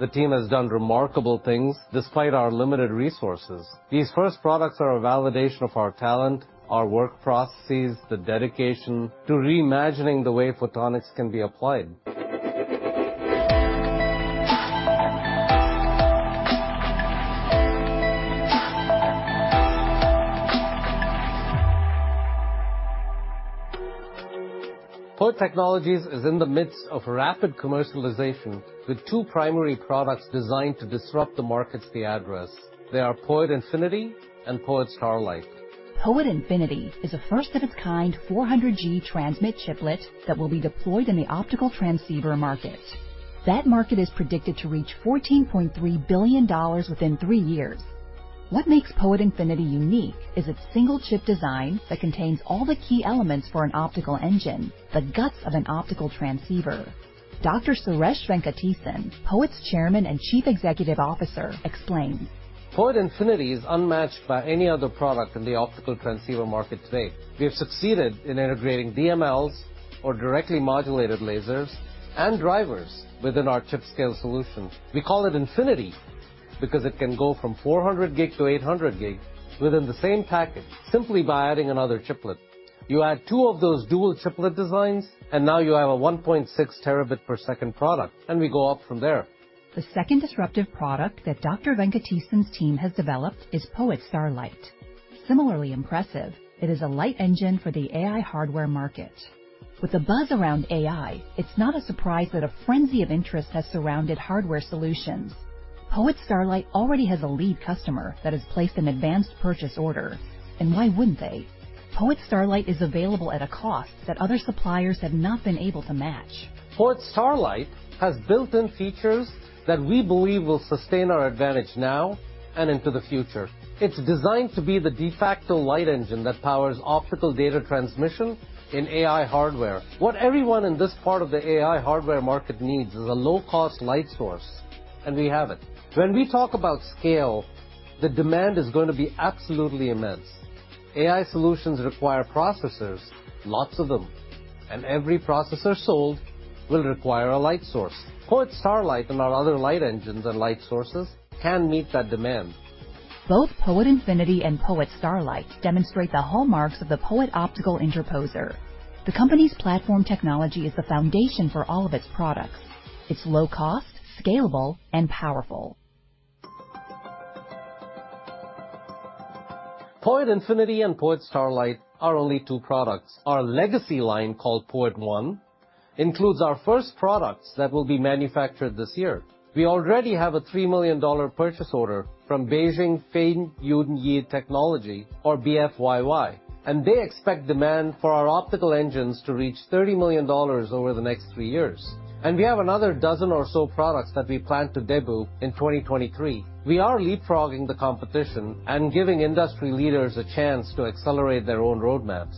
The team has done remarkable things despite our limited resources. These first products are a validation of our talent, our work processes, the dedication to reimagining the way photonics can be applied. POET Technologies is in the midst of rapid commercialization with two primary products designed to disrupt the markets they address. They are POET Infinity and POET Starlight. POET Infinity is a first-of-its-kind 400G transmit chiplet that will be deployed in the optical transceiver market. That market is predicted to reach $14.3 billion within three years. What makes POET Infinity unique is its single chip design that contains all the key elements for an optical engine, the guts of an optical transceiver. Dr. Suresh Venkatesan, POET's Chairman and Chief Executive Officer, explains. POET Infinity is unmatched by any other product in the optical transceiver market today. We have succeeded in integrating DMLs, or directly modulated lasers, and drivers within our chip-scale solution. We call it Infinity because it can go from 400 Gb-800 Gb within the same package simply by adding another chiplet. You add two of those dual chiplet designs, and now you have a 1.6 Tb per second product, and we go up from there. The second disruptive product that Dr. Venkatesan's team has developed is POET Starlight. Similarly impressive, it is a light engine for the AI hardware market. With the buzz around AI, it's not a surprise that a frenzy of interest has surrounded hardware solutions. POET Starlight already has a lead customer that has placed an advanced purchase order. Why wouldn't they? POET Starlight is available at a cost that other suppliers have not been able to match. POET Starlight has built-in features that we believe will sustain our advantage now and into the future. It's designed to be the de facto light engine that powers optical data transmission in AI hardware. What everyone in this part of the AI hardware market needs is a low-cost light source, and we have it. When we talk about scale, the demand is going to be absolutely immense. AI solutions require processors, lots of them, and every processor sold will require a light source. POET Starlight and our other light engines and light sources can meet that demand. Both POET Infinity and POET Starlight demonstrate the hallmarks of the POET Optical Interposer. The company's platform technology is the foundation for all of its products. It's low cost, scalable, and powerful. POET Infinity and POET Starlight are only two products. Our legacy line, called POET One, includes our first products that will be manufactured this year. We already have a $3 million purchase order from Beijing FeiYunYi Technology, or BFYY, and they expect demand for our optical engines to reach $30 million over the next three years. We have another dozen or so products that we plan to debut in 2023. We are leapfrogging the competition and giving industry leaders a chance to accelerate their own roadmaps.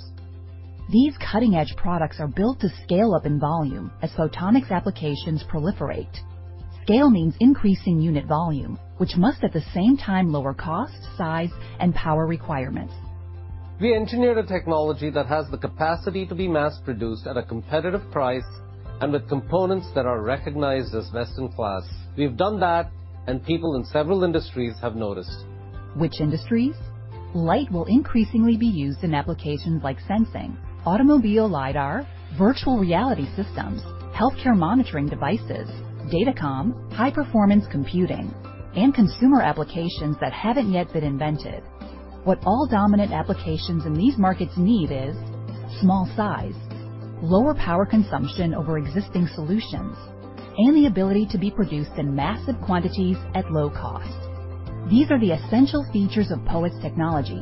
These cutting-edge products are built to scale up in volume as photonics applications proliferate. Scale means increasing unit volume, which must at the same time lower cost, size, and power requirements. We engineered a technology that has the capacity to be mass-produced at a competitive price and with components that are recognized as best in class. We've done that, and people in several industries have noticed. Which industries? Light will increasingly be used in applications like sensing, automobile lidar, virtual reality systems, healthcare monitoring devices, datacom, high-performance computing, and consumer applications that haven't yet been invented. What all dominant applications in these markets need is small size, lower power consumption over existing solutions, and the ability to be produced in massive quantities at low cost. These are the essential features of POET's technology.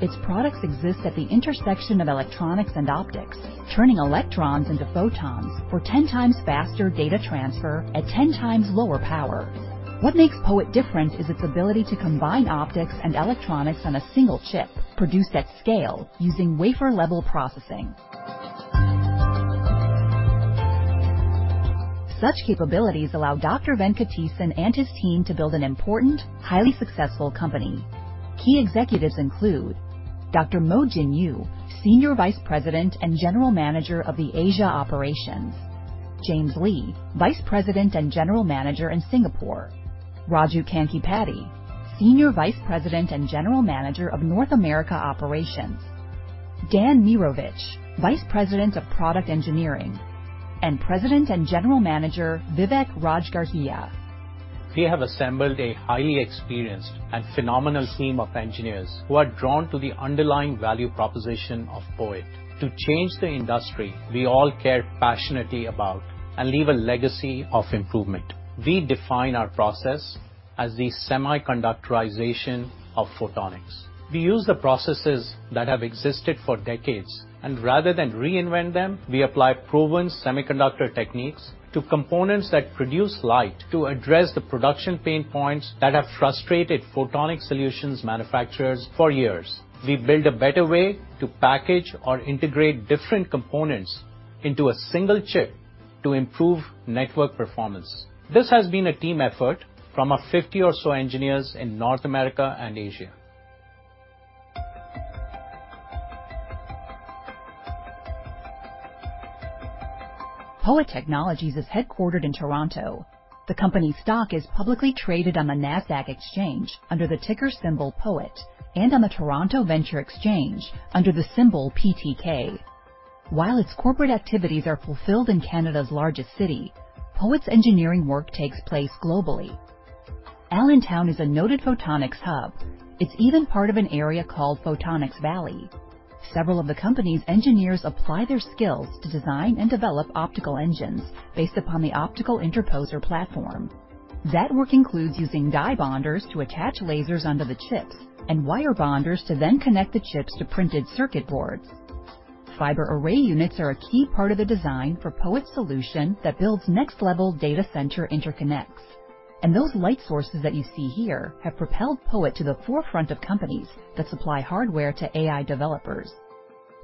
Its products exist at the intersection of electronics and optics, turning electrons into photons for 10x faster data transfer at 10x lower power. What makes POET different is its ability to combine optics and electronics on a single chip produced at scale using wafer-level processing. Such capabilities allow Dr. Venkatesan and his team to build an important, highly successful company. Key executives include Dr. Mo Jinyu, Senior Vice President and General Manager of the Asia operations. James Lee, Vice President and General Manager in Singapore. Raju Kankipati, Senior Vice President and General Manager of North America operations. Daniel Meerovich, Vice President of Product Engineering, and President and General Manager, Vivek Rajgarhia. We have assembled a highly experienced and phenomenal team of engineers who are drawn to the underlying value proposition of POET to change the industry we all care passionately about and leave a legacy of improvement. We define our process as the semiconductorization of photonics. We use the processes that have existed for decades, and rather than reinvent them, we apply proven semiconductor techniques to components that produce light to address the production pain points that have frustrated photonic solutions manufacturers for years. We build a better way to package or integrate different components into a single chip to improve network performance. This has been a team effort from our 50 or so engineers in North America and Asia. POET Technologies is headquartered in Toronto. The company's stock is publicly traded on the Nasdaq under the ticker symbol POET, and on the TSX Venture Exchange under the symbol PTK. While its corporate activities are fulfilled in Canada's largest city, POET's engineering work takes place globally. Allentown is a noted photonics hub. It's even part of an area called Photonics Valley. Several of the company's engineers apply their skills to design and develop optical engines based upon the optical interposer platform. That work includes using die bonders to attach lasers onto the chips, and wire bonders to then connect the chips to printed circuit boards. Fiber array units are a key part of the design for POET's solution that builds next-level data center interconnects, and those light sources that you see here have propelled POET to the forefront of companies that supply hardware to AI developers.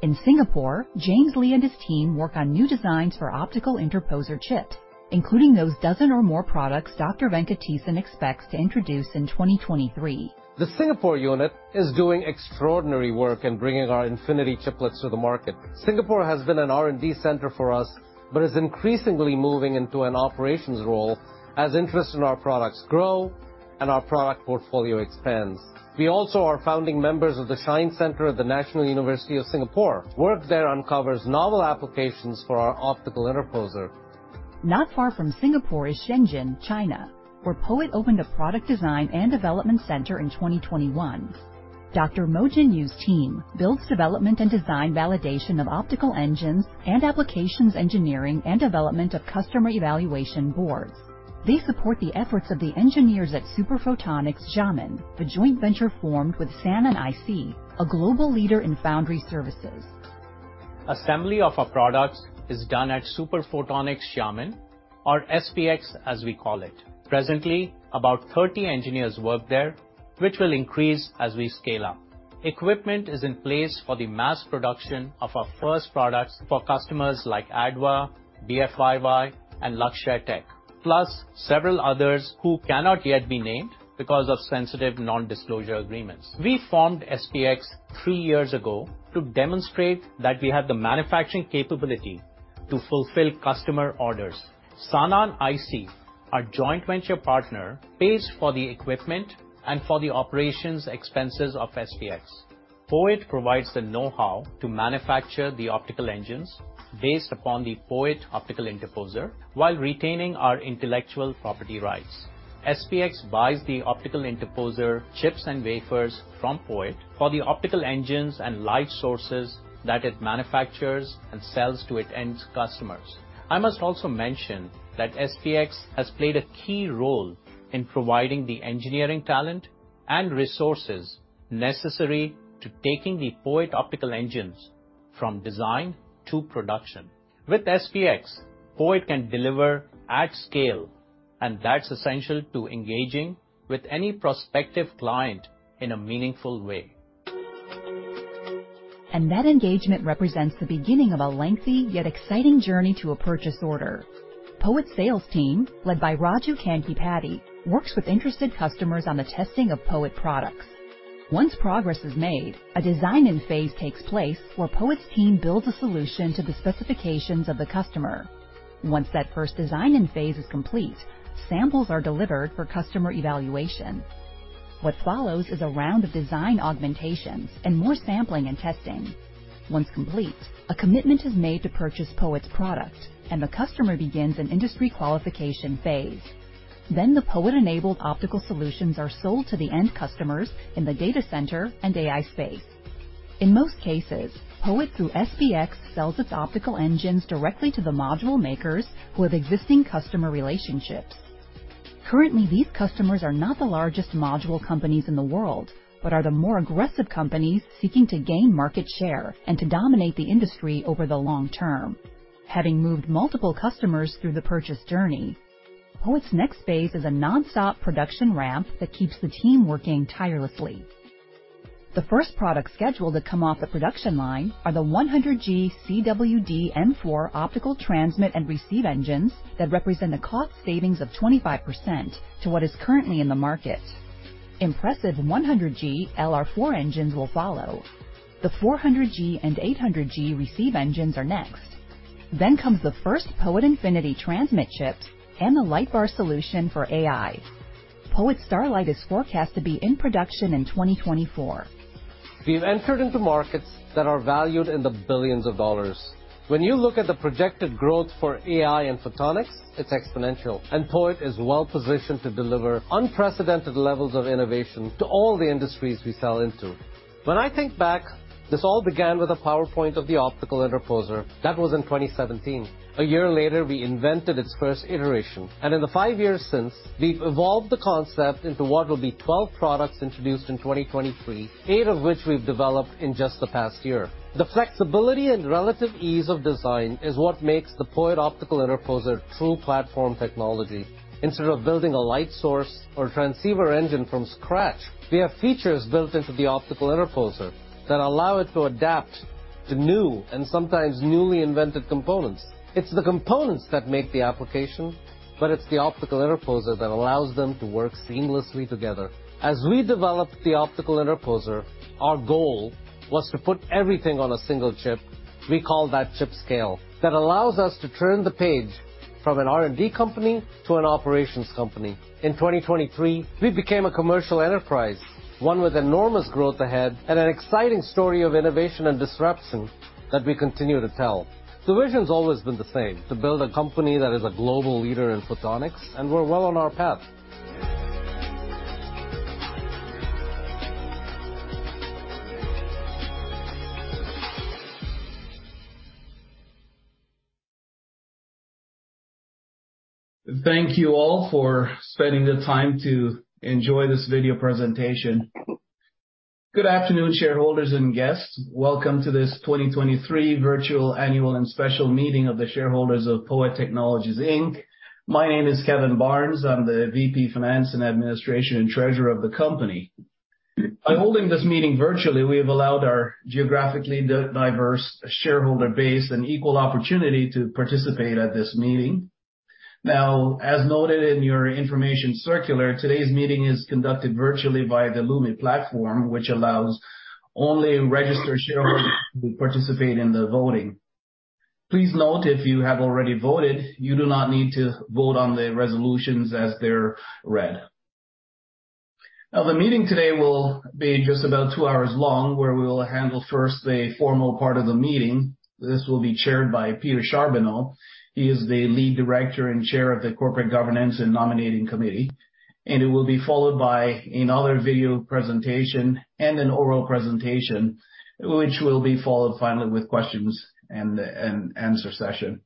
In Singapore, James Lee and his team work on new designs for Optical Interposer chips, including those 12 or more products Dr. Venkatesan expects to introduce in 2023. The Singapore unit is doing extraordinary work in bringing our Infinity chiplets to the market. Singapore has been an R&D center for us, but is increasingly moving into an operations role as interest in our products grow and our product portfolio expands. We also are founding members of the SHINE Centre at the National University of Singapore. Work there uncovers novel applications for our optical interposer. Not far from Singapore is Shenzhen, China, where POET opened a product design and development center in 2021. Dr. Mo Jinyu's team builds development and design validation of optical engines and applications, engineering, and development of customer evaluation boards. They support the efforts of the engineers at Super Photonics Xiamen, the joint venture formed with Sanan IC, a global leader in foundry services. Assembly of our products is done at Super Photonics Xiamen, or SPX as we call it. Presently, about 30 engineers work there, which will increase as we scale up. Equipment is in place for the mass production of our first products for customers like ADVA, BFYY, and Luxshare-Tech, plus several others who cannot yet be named because of sensitive non-disclosure agreements. We formed SPX three years ago to demonstrate that we have the manufacturing capability to fulfill customer orders. Sanan IC, our joint venture partner, pays for the equipment and for the operations expenses of SPX. POET provides the know-how to manufacture the optical engines based upon the POET Optical Interposer while retaining our intellectual property rights. SPX buys the optical interposer chips and wafers from POET for the optical engines and light sources that it manufactures and sells to its end customers. I must also mention that SPX has played a key role in providing the engineering talent and resources necessary to taking the POET optical engines from design to production. With SPX, POET can deliver at scale, and that's essential to engaging with any prospective client in a meaningful way. That engagement represents the beginning of a lengthy, yet exciting journey to a purchase order. POET's sales team, led by Raju Kankipati, works with interested customers on the testing of POET products. Once progress is made, a design-in phase takes place where POET's team builds a solution to the specifications of the customer. Once that first design-in phase is complete, samples are delivered for customer evaluation. What follows is a round of design augmentations and more sampling and testing. Once complete, a commitment is made to purchase POET's product, and the customer begins an industry qualification phase. The POET-enabled optical solutions are sold to the end customers in the data center and AI space. In most cases, POET, through SPX, sells its optical engines directly to the module makers who have existing customer relationships. Currently, these customers are not the largest module companies in the world, but are the more aggressive companies seeking to gain market share and to dominate the industry over the long term. Having moved multiple customers through the purchase journey, POET's next phase is a nonstop production ramp that keeps the team working tirelessly. The first products scheduled to come off the production line are the 100G CWDM4 optical transmit and receive engines that represent a cost savings of 25% to what is currently in the market. Impressive 100G LR4 engines will follow. The 400G and 800G receive engines are next. Then comes the first POET Infinity transmit chips and the LightBar solution for AI. POET Starlight is forecast to be in production in 2024. We've entered into markets that are valued in the billions of dollars. When you look at the projected growth for AI and photonics, it's exponential, and POET is well positioned to deliver unprecedented levels of innovation to all the industries we sell into. When I think back, this all began with a PowerPoint of the Optical Interposer. That was in 2017. A year later, we invented its first iteration, and in the five years since, we've evolved the concept into what will be 12 products introduced in 2023, eight of which we've developed in just the past year. The flexibility and relative ease of design is what makes the POET Optical Interposer true platform technology. Instead of building a light source or transceiver engine from scratch, we have features built into the Optical Interposer that allow it to adapt to new and sometimes newly invented components. It's the components that make the application, but it's the optical interposer that allows them to work seamlessly together. As we developed the optical interposer, our goal was to put everything on a single chip. We call that chip scale. That allows us to turn the page from an R&D company to an operations company. In 2023, we became a commercial enterprise, one with enormous growth ahead and an exciting story of innovation and disruption that we continue to tell. The vision's always been the same, to build a company that is a global leader in photonics, and we're well on our path. Thank you all for spending the time to enjoy this video presentation. Good afternoon, shareholders and guests. Welcome to this 2023 virtual annual and special meeting of the shareholders of POET Technologies, Inc. My name is Kevin Barnes. I'm the VP Finance and Administration and Treasurer of the company. By holding this meeting virtually, we have allowed our geographically diverse shareholder base an equal opportunity to participate at this meeting. Now, as noted in your information circular, today's meeting is conducted virtually via the Lumi platform, which allows only registered shareholders to participate in the voting. Please note, if you have already voted, you do not need to vote on the resolutions as they're read. Now, the meeting today will be just about two hours long, where we will handle first the formal part of the meeting. This will be chaired by Peter Charbonneau. He is the Lead Director and Chair of the Corporate Governance and Nominating Committee. It will be followed by another video presentation and an oral presentation, which will be followed finally with questions and answer session.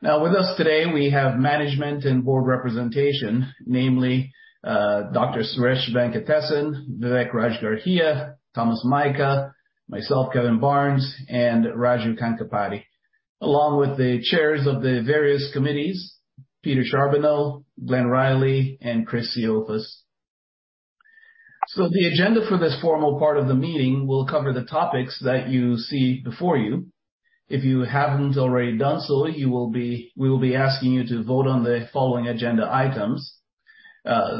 Now, with us today, we have management and board representation, namely, Dr. Suresh Venkatesan, Vivek Rajgarhia, Thomas Mika, myself, Kevin Barnes, and Raju Kankipati. Along with the chairs of the various committees, Peter Charbonneau, Glen Riley, and Chris Tsiofas. The agenda for this formal part of the meeting will cover the topics that you see before you. If you haven't already done so, we will be asking you to vote on the following agenda items.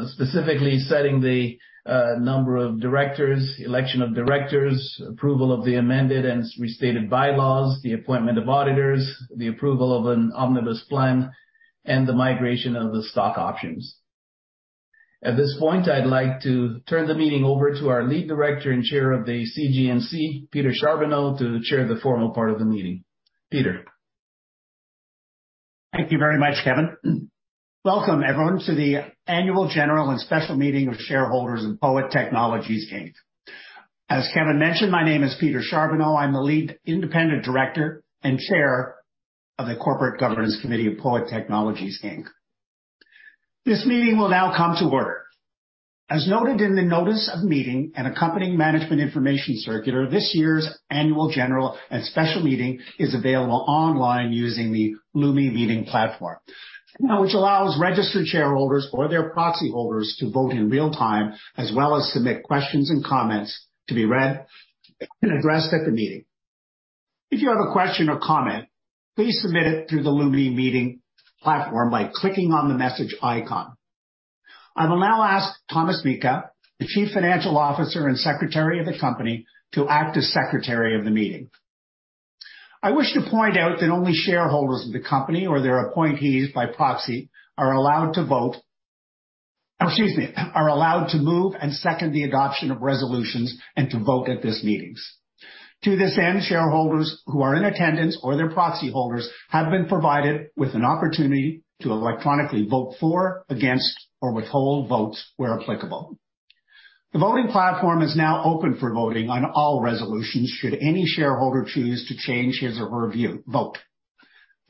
Specifically, setting the number of directors, election of directors, approval of the amended and restated bylaws, the appointment of auditors, the approval of an omnibus plan, and the migration of the stock options. At this point, I'd like to turn the meeting over to our Lead Director and Chair of the CGNC, Peter Charbonneau, to chair the formal part of the meeting. Peter. Thank you very much, Kevin. Welcome, everyone, to the Annual General and Special Meeting of Shareholders of POET Technologies, Inc. As Kevin mentioned, my name is Peter Charbonneau. I'm the Lead Independent Director and Chair of the Corporate Governance Committee of POET Technologies, Inc. This meeting will now come to order. As noted in the notice of meeting and accompanying management information circular, this year's annual general and special meeting is available online using the Lumi Meeting platform, which allows registered shareholders or their proxy holders to vote in real time, as well as submit questions and comments to be read and addressed at the meeting. If you have a question or comment, please submit it through the Lumi Meeting platform by clicking on the message icon. I will now ask Thomas Mika, the Chief Financial Officer and Secretary of the company, to act as Secretary of the meeting. I wish to point out that only shareholders of the company or their appointees by proxy are allowed to move and second the adoption of resolutions and to vote at these meetings. To this end, shareholders who are in attendance or their proxy holders have been provided with an opportunity to electronically vote for, against, or withhold votes where applicable. The voting platform is now open for voting on all resolutions, should any shareholder choose to change his or her vote.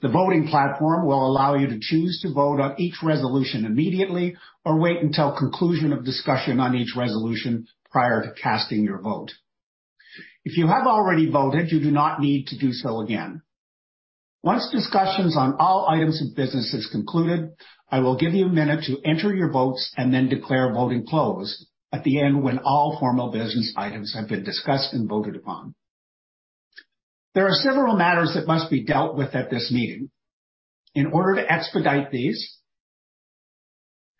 The voting platform will allow you to choose to vote on each resolution immediately or wait until conclusion of discussion on each resolution prior to casting your vote. If you have already voted, you do not need to do so again. Once discussions on all items of business is concluded, I will give you a minute to enter your votes and then declare voting closed at the end when all formal business items have been discussed and voted upon. There are several matters that must be dealt with at this meeting. In order to expedite these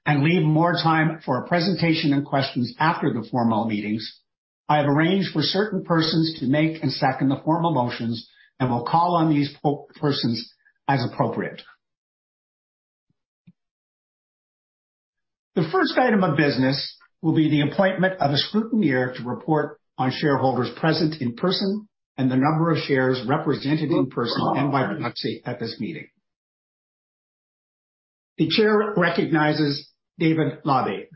and leave more time for a presentation and questions after the formal meetings, I have arranged for certain persons to make and second the formal motions and will call on these persons as appropriate. The first item of business will be the appointment of a scrutineer to report on shareholders present in person and the number of shares represented in person and by proxy at this meeting. The chair recognizes [David Labbe].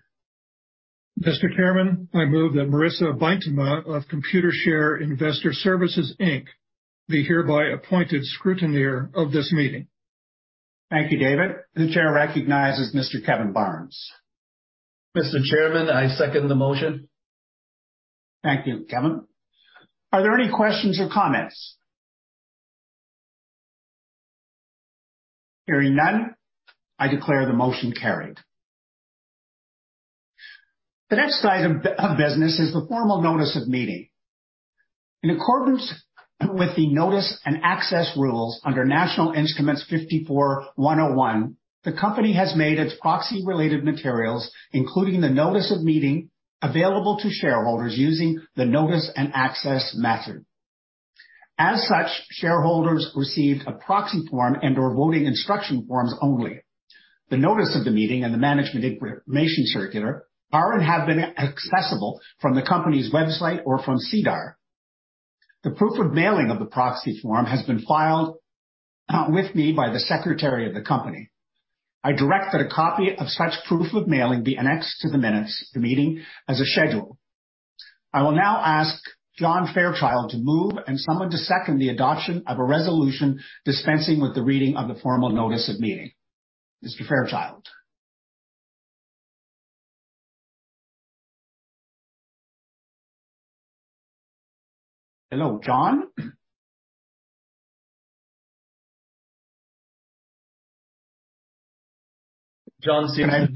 Mr. Chairman, I move that Marissa Beintema of Computershare Investor Services Inc. be hereby appointed scrutineer of this meeting. Thank you, [David]. The chair recognizes Mr. Kevin Barnes. Mr. Chairman, I second the motion. Thank you, Kevin. Are there any questions or comments? Hearing none, I declare the motion carried. The next item of business is the formal notice of meeting. In accordance with the notice and access rules under National Instrument 54-101, the company has made its proxy related materials, including the notice of meeting, available to shareholders using the notice and access method. As such, shareholders received a proxy form and/or voting instruction forms only. The notice of the meeting and the management information circular are and have been accessible from the company's website or from SEDAR. The proof of mailing of the proxy form has been filed with me by the secretary of the company. I direct that a copy of such proof of mailing be annexed to the minutes of the meeting as a schedule. I will now ask [John Fairchild] to move and someone to second the adoption of a resolution dispensing with the reading of the formal notice of meeting. Mr. [Fairchild]. Hello, [John]? [John] seems- Can I-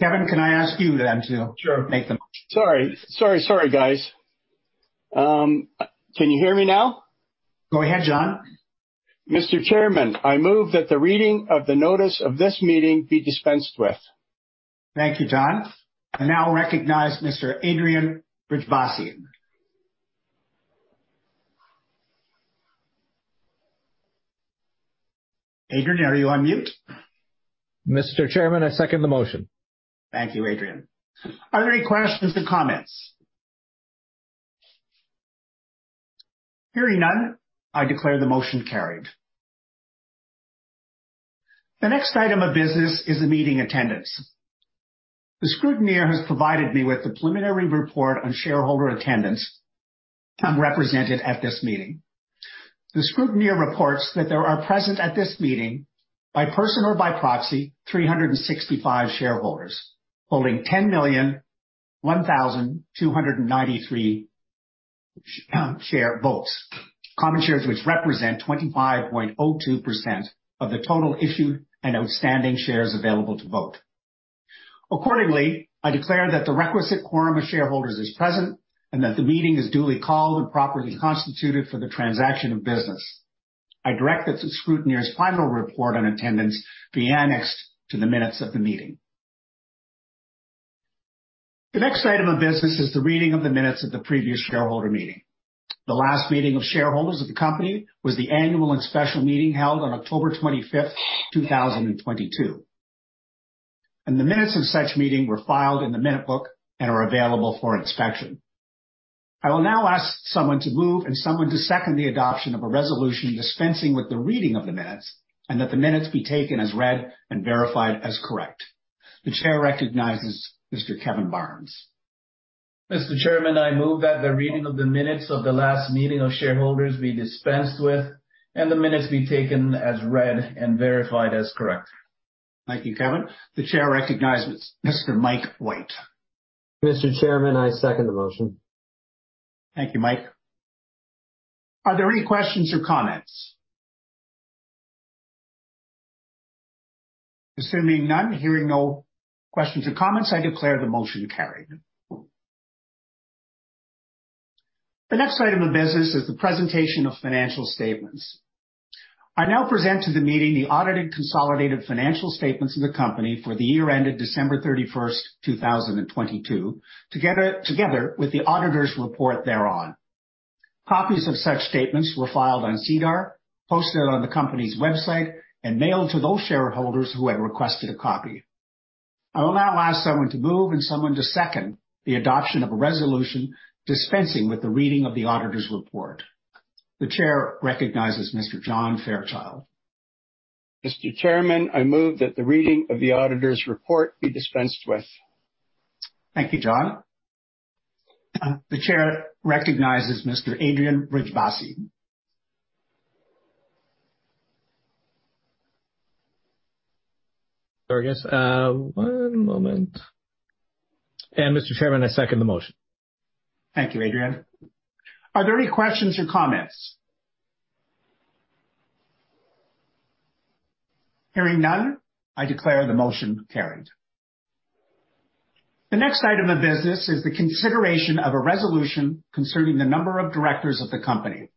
Kevin, can I ask you then to Sure. Make the motion. Sorry, guys. Can you hear me now? Go ahead, [John]. Mr. Chairman, I move that the reading of the notice of this meeting be dispensed with. Thank you, [John]. I now recognize Mr. Adrian Brijbassi. Adrian, are you on mute? Mr. Chairman, I second the motion. Thank you, Adrian. Are there any questions or comments? Hearing none, I declare the motion carried. The next item of business is the meeting attendance. The scrutineer has provided me with the preliminary report on shareholder attendance, represented at this meeting. The scrutineer reports that there are present at this meeting, by person or by proxy, 365 shareholders holding 10,001,293 share votes, common shares, which represent 25.02% of the total issued and outstanding shares available to vote. Accordingly, I declare that the requisite quorum of shareholders is present and that the meeting is duly called and properly constituted for the transaction of business. I direct that the scrutineer's final report on attendance be annexed to the minutes of the meeting. The next item of business is the reading of the minutes of the previous shareholder meeting. The last meeting of shareholders of the company was the annual and special meeting held on October 25, 2022. The minutes of such meeting were filed in the minute book and are available for inspection. I will now ask someone to move and someone to second the adoption of a resolution dispensing with the reading of the minutes, and that the minutes be taken as read and verified as correct. The chair recognizes Mr. Kevin Barnes. Mr. Chairman, I move that the reading of the minutes of the last meeting of shareholders be dispensed with and the minutes be taken as read and verified as correct. Thank you, Kevin. The chair recognizes Mr. [Mike White]. Mr. Chairman, I second the motion. Thank you, [Mike]. Are there any questions or comments? Assuming none, hearing no questions or comments, I declare the motion carried. The next item of business is the presentation of financial statements. I now present to the meeting the audited consolidated financial statements of the company for the year ended December 31, 2022, together with the auditor's report thereon. Copies of such statements were filed on SEDAR, posted on the company's website, and mailed to those shareholders who had requested a copy. I will now ask someone to move and someone to second the adoption of a resolution dispensing with the reading of the auditor's report. The chair recognizes Mr. [John Fairchild]. Mr. Chairman, I move that the reading of the auditor's report be dispensed with. Thank you, [John]. The chair recognizes Mr. Adrian Brijbassi. Sorry, guys. One moment. Mr. Chairman, I second the motion. Thank you, Adrian. Are there any questions or comments? Hearing none, I declare the motion carried. The next item of business is the consideration of a resolution concerning the number of directors of the company.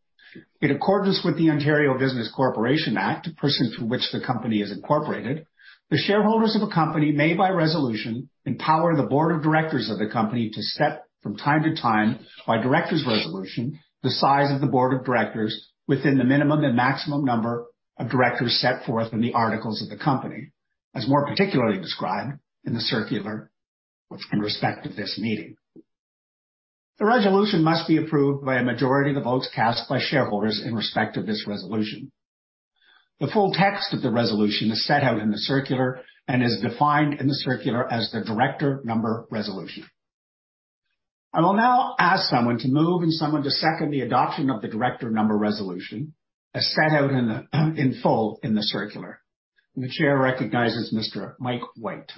In accordance with the Ontario Business Corporations Act, pursuant to which the company is incorporated, the shareholders of a company may, by resolution, empower the board of directors of the company to set from time to time, by directors' resolution, the size of the board of directors within the minimum and maximum number of directors set forth in the articles of the company, as more particularly described in the circular in respect of this meeting. The resolution must be approved by a majority of the votes cast by shareholders in respect of this resolution. The full text of the resolution is set out in the circular and is defined in the circular as the director number resolution. I will now ask someone to move and someone to second the adoption of the director number resolution as set out in full in the circular. The chair recognizes Mr. [Mike White].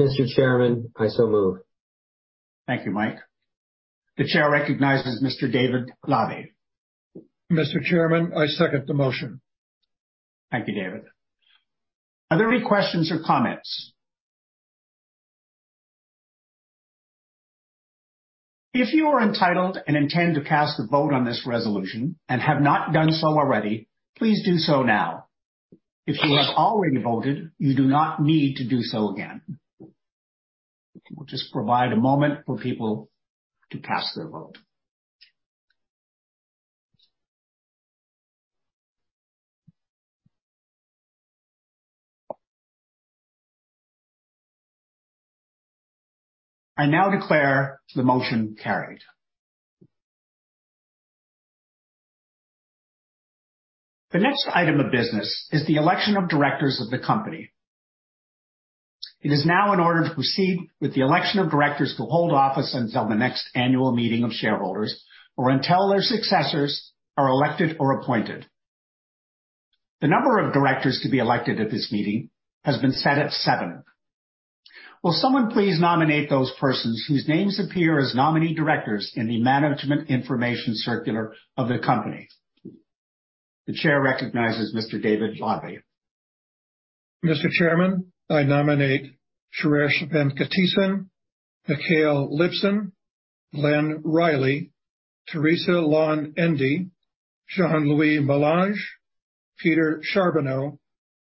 Mr. Chairman, I so move. Thank you, [Mike]. The chair recognizes Mr.[ David Labbe]. Mr. Chairman, I second the motion. Thank you, [David]. Are there any questions or comments? If you are entitled and intend to cast a vote on this resolution and have not done so already, please do so now. If you have already voted, you do not need to do so again. We'll just provide a moment for people to cast their vote. I now declare the motion carried. The next item of business is the election of directors of the company. It is now in order to proceed with the election of directors to hold office until the next annual meeting of shareholders, or until their successors are elected or appointed. The number of directors to be elected at this meeting has been set at seven. Will someone please nominate those persons whose names appear as nominee directors in the management information circular of the company? The chair recognizes Mr. [David Labbe]. Mr. Chairman, I nominate Suresh Venkatesan, Michal Lipson, Glen Riley, Theresa Lan Ende, Jean-Louis Malinge, Peter Charbonneau,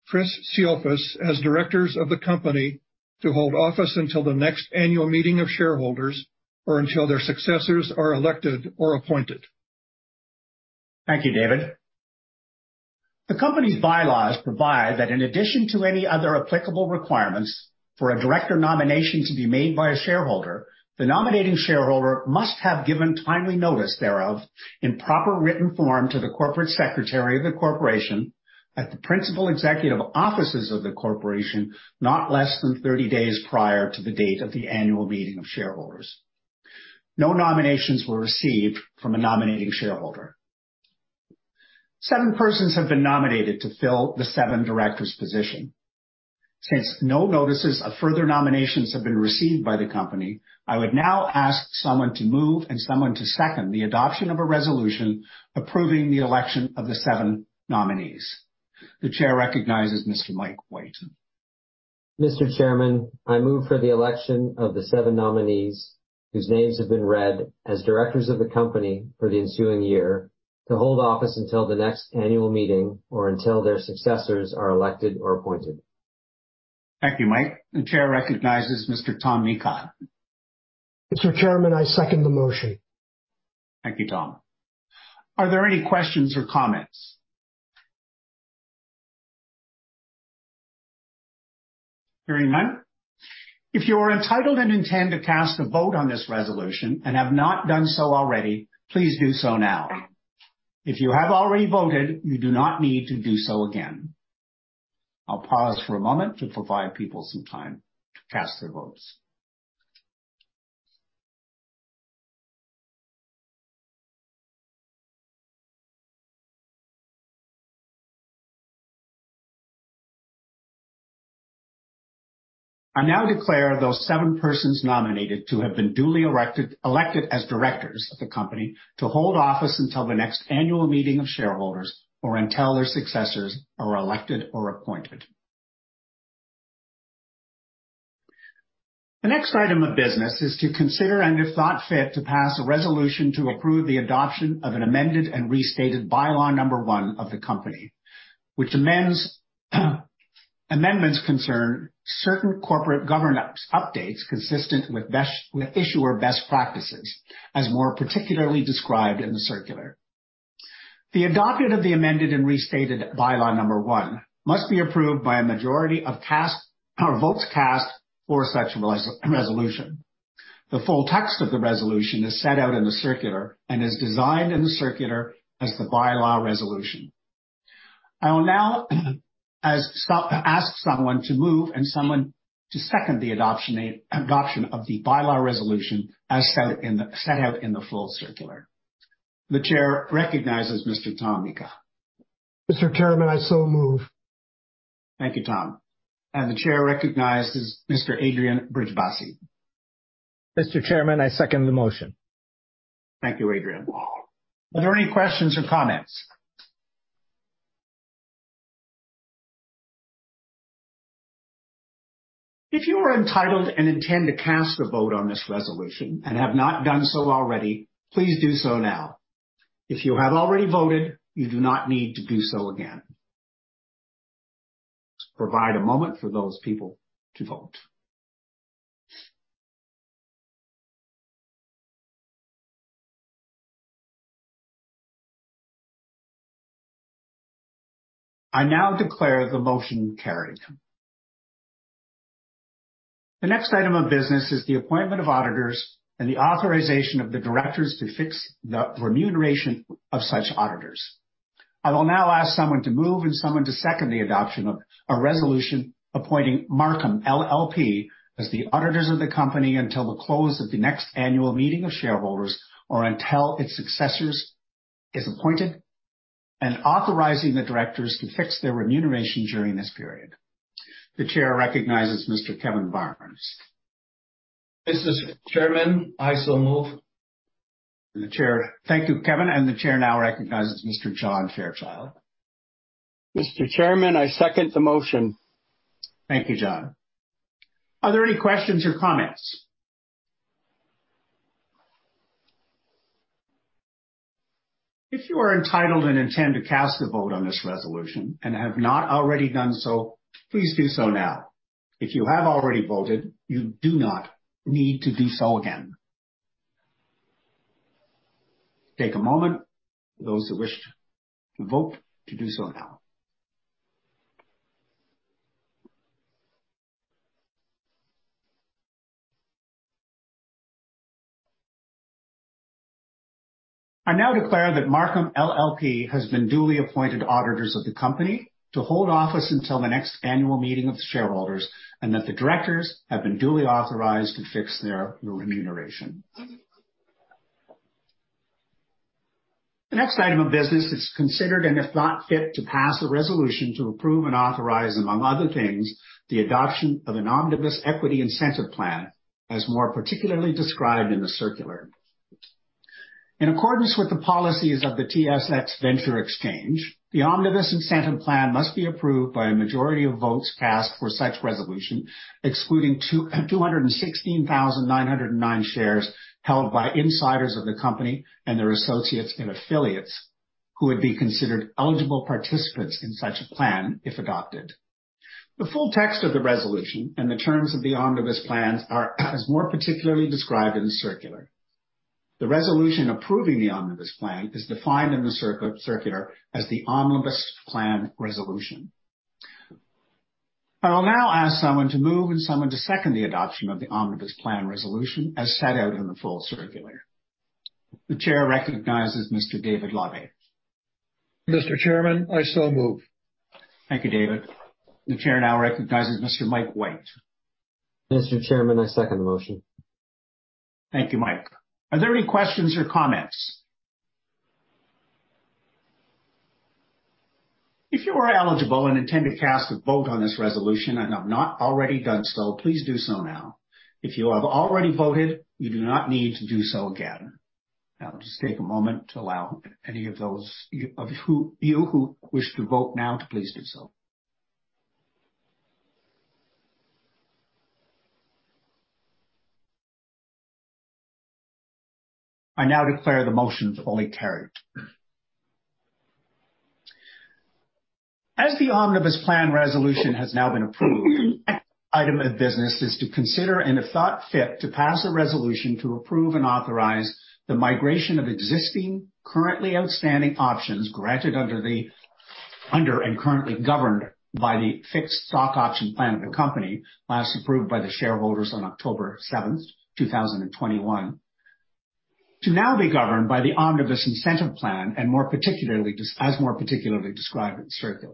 Chris Tsiofas as directors of the company to hold office until the next annual meeting of shareholders, or until their successors are elected or appointed. Thank you, [David]. The company's bylaws provide that in addition to any other applicable requirements for a director nomination to be made by a shareholder, the nominating shareholder must have given timely notice thereof in proper written form to the corporate secretary of the corporation at the principal executive offices of the corporation not less than 30 days prior to the date of the annual meeting of shareholders. No nominations were received from a nominating shareholder. Seven persons have been nominated to fill the seven directors position. Since no notices of further nominations have been received by the company, I would now ask someone to move and someone to second the adoption of a resolution approving the election of the seven nominees. The chair recognizes Mr. [Mike Wharton]. Mr. Chairman, I move for the election of the seven nominees whose names have been read as directors of the company for the ensuing year to hold office until the next annual meeting or until their successors are elected or appointed. Thank you, [Mike]. The chair recognizes Mr. Tom Mika. Mr. Chairman, I second the motion. Thank you, Tom. Are there any questions or comments? Hearing none. If you are entitled and intend to cast a vote on this resolution and have not done so already, please do so now. If you have already voted, you do not need to do so again. I'll pause for a moment to provide people some time to cast their votes. I now declare those seven persons nominated to have been duly elected as directors of the company to hold office until the next annual meeting of shareholders or until their successors are elected or appointed. The next item of business is to consider and if thought fit, to pass a resolution to approve the adoption of an amended and restated bylaw number one of the company, which amendments concern certain corporate governance updates consistent with issuer best practices, as more particularly described in the circular. The adoption of the amended and restated bylaw number one must be approved by a majority of votes cast for such resolution. The full text of the resolution is set out in the circular and is denoted in the circular as the bylaw resolution. I will now ask someone to move and someone to second the adoption of the bylaw resolution as set out in the full circular. The chair recognizes Mr. Thomas Mika. Mr. Chairman, I so move. Thank you, Thomas. The chair recognizes Mr. Adrian Brijbassi. Mr. Chairman, I second the motion. Thank you, Adrian. Are there any questions or comments? If you are entitled and intend to cast a vote on this resolution and have not done so already, please do so now. If you have already voted, you do not need to do so again. Provide a moment for those people to vote. I now declare the motion carried. The next item of business is the appointment of auditors and the authorization of the directors to fix the remuneration of such auditors. I will now ask someone to move and someone to second the adoption of a resolution appointing Davidson & Company LLP as the auditors of the company until the close of the next annual meeting of shareholders, or until its successors is appointed and authorizing the directors to fix their remuneration during this period. The chair recognizes Mr. Kevin Barnes. Mr. Chairman, I so move. Thank you, Kevin, and the chair now recognizes Mr. [John Fairchild]. Mr. Chairman, I second the motion. Thank you, [John]. Are there any questions or comments? If you are entitled and intend to cast a vote on this resolution and have not already done so, please do so now. If you have already voted, you do not need to do so again. Take a moment, those who wish to vote, to do so now. I now declare that Davidson & Company LLP has been duly appointed auditors of the company to hold office until the next annual meeting of the shareholders, and that the directors have been duly authorized to fix their remuneration. The next item of business is considered, and if thought fit, to pass a resolution to approve and authorize, among other things, the adoption of an Omnibus Equity Incentive Plan, as more particularly described in the circular. In accordance with the policies of the TSX Venture Exchange, the Omnibus Incentive Plan must be approved by a majority of votes cast for such resolution, excluding 216,909 shares held by insiders of the company and their associates and affiliates who would be considered eligible participants in such a plan, if adopted. The full text of the resolution and the terms of the omnibus plans are as more particularly described in the circular. The resolution approving the omnibus plan is defined in the circular as the Omnibus Plan Resolution. I will now ask someone to move and someone to second the adoption of the Omnibus Plan Resolution as set out in the full circular. The chair recognizes Mr. [David Labbe]. Mr. Chairman, I so move. Thank you,[ David]. The chair now recognizes Mr. [Mike White]. Mr. Chairman, I second the motion. Thank you, [Mike]. Are there any questions or comments? If you are eligible and intend to cast a vote on this resolution and have not already done so, please do so now. If you have already voted, you do not need to do so again. Now, just take a moment to allow any of you who wish to vote now to please do so. I now declare the motion fully carried. As the Omnibus Plan Resolution has now been approved, the next item of business is to consider, and if thought fit, to pass a resolution to approve and authorize the migration of existing, currently outstanding options granted under, and currently governed by, the Fixed Stock Option Plan of the company, last approved by the shareholders on October 7, 2021, to now be governed by the Omnibus Incentive Plan, as more particularly described in the circular.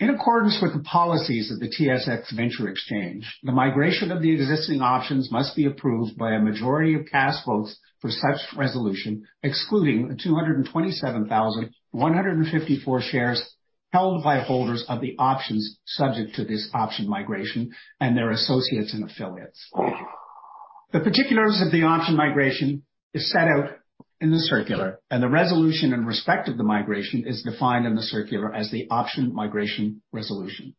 In accordance with the policies of the TSX Venture Exchange, the migration of the existing options must be approved by a majority of cast votes for such resolution, excluding the 227,154 shares held by holders of the options subject to this option migration and their associates and affiliates. The particulars of the option migration is set out in the circular, and the resolution in respect of the migration is defined in the circular as the Option Migration Resolution.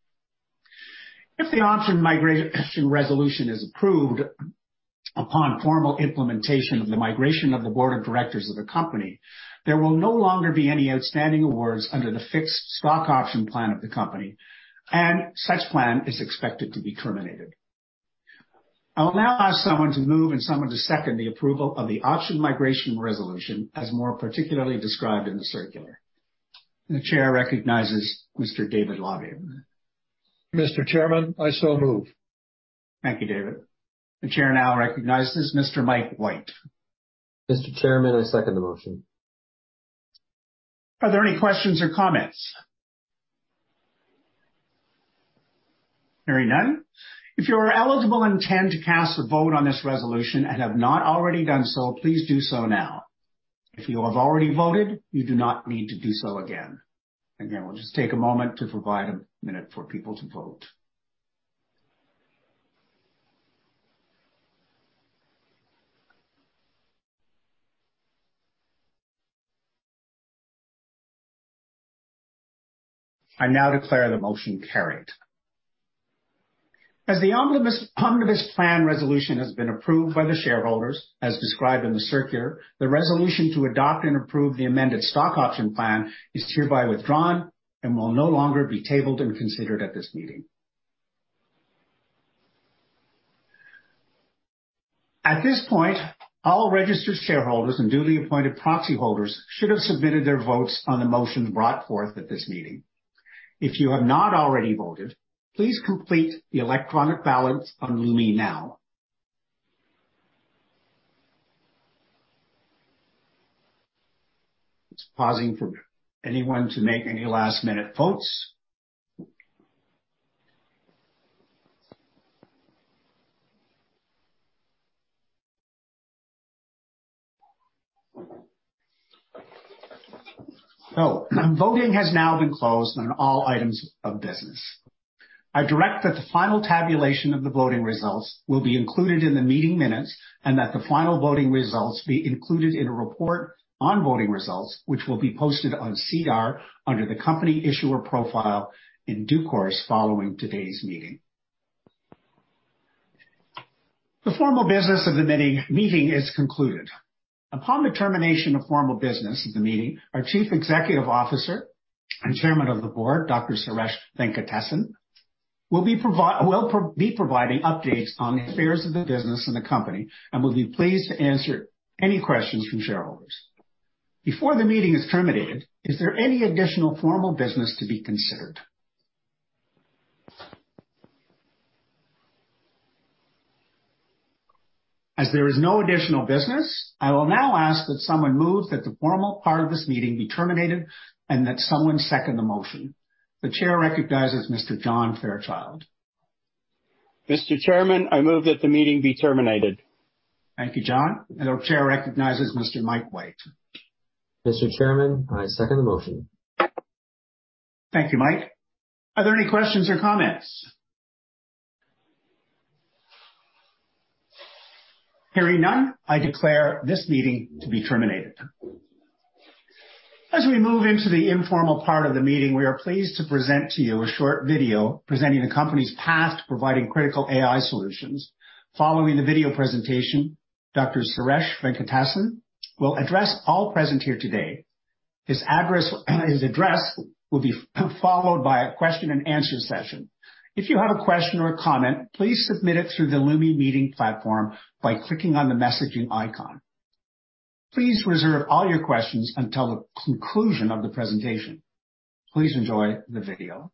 If the Option Migration Resolution is approved upon formal implementation of the migration of the board of directors of the company, there will no longer be any outstanding awards under the Fixed Stock Option Plan of the company, and such plan is expected to be terminated. I will now ask someone to move and someone to second the approval of the Option Migration Resolution, as more particularly described in the circular. The chair recognizes Mr. [David Labbe]. Mr. Chairman, I so move. Thank you, [David]. The chair now recognizes Mr. [Mike White]. Mr. Chairman, I second the motion. Are there any questions or comments? Hearing none. If you are eligible and intend to cast a vote on this resolution and have not already done so, please do so now. If you have already voted, you do not need to do so again. Again, we'll just take a moment to provide a minute for people to vote. I now declare the motion carried. As the Omnibus Plan Resolution has been approved by the shareholders, as described in the circular, the resolution to adopt and approve the amended stock option plan is hereby withdrawn and will no longer be tabled and considered at this meeting. At this point, all registered shareholders and duly appointed proxy holders should have submitted their votes on the motions brought forth at this meeting. If you have not already voted, please complete the electronic ballot on Lumi now. Just pausing for anyone to make any last-minute votes. Voting has now been closed on all items of business. I direct that the final tabulation of the voting results will be included in the meeting minutes, and that the final voting results be included in a report on voting results, which will be posted on SEDAR under the company issuer profile in due course following today's meeting. The formal business of the meeting is concluded. Upon the termination of formal business of the meeting, our Chief Executive Officer and Chairman of the Board, Dr. Suresh Venkatesan, will be providing updates on the affairs of the business and the company and will be pleased to answer any questions from shareholders. Before the meeting is terminated, is there any additional formal business to be considered? As there is no additional business, I will now ask that someone move that the formal part of this meeting be terminated and that someone second the motion. The chair recognizes Mr. [John Fairchild]. Mr. Chairman, I move that the meeting be terminated. Thank you, [John]. The chair recognizes Mr. [Mike White]. Mr. Chairman, I second the motion. Thank you, [Mike]. Are there any questions or comments? Hearing none, I declare this meeting to be terminated. As we move into the informal part of the meeting, we are pleased to present to you a short video presenting the company's path providing critical AI solutions. Following the video presentation, Dr. Suresh Venkatesan will address all present here today. His address will be followed by a question and answer session. If you have a question or a comment, please submit it through the Lumi meeting platform by clicking on the messaging icon. Please reserve all your questions until the conclusion of the presentation. Please enjoy the video.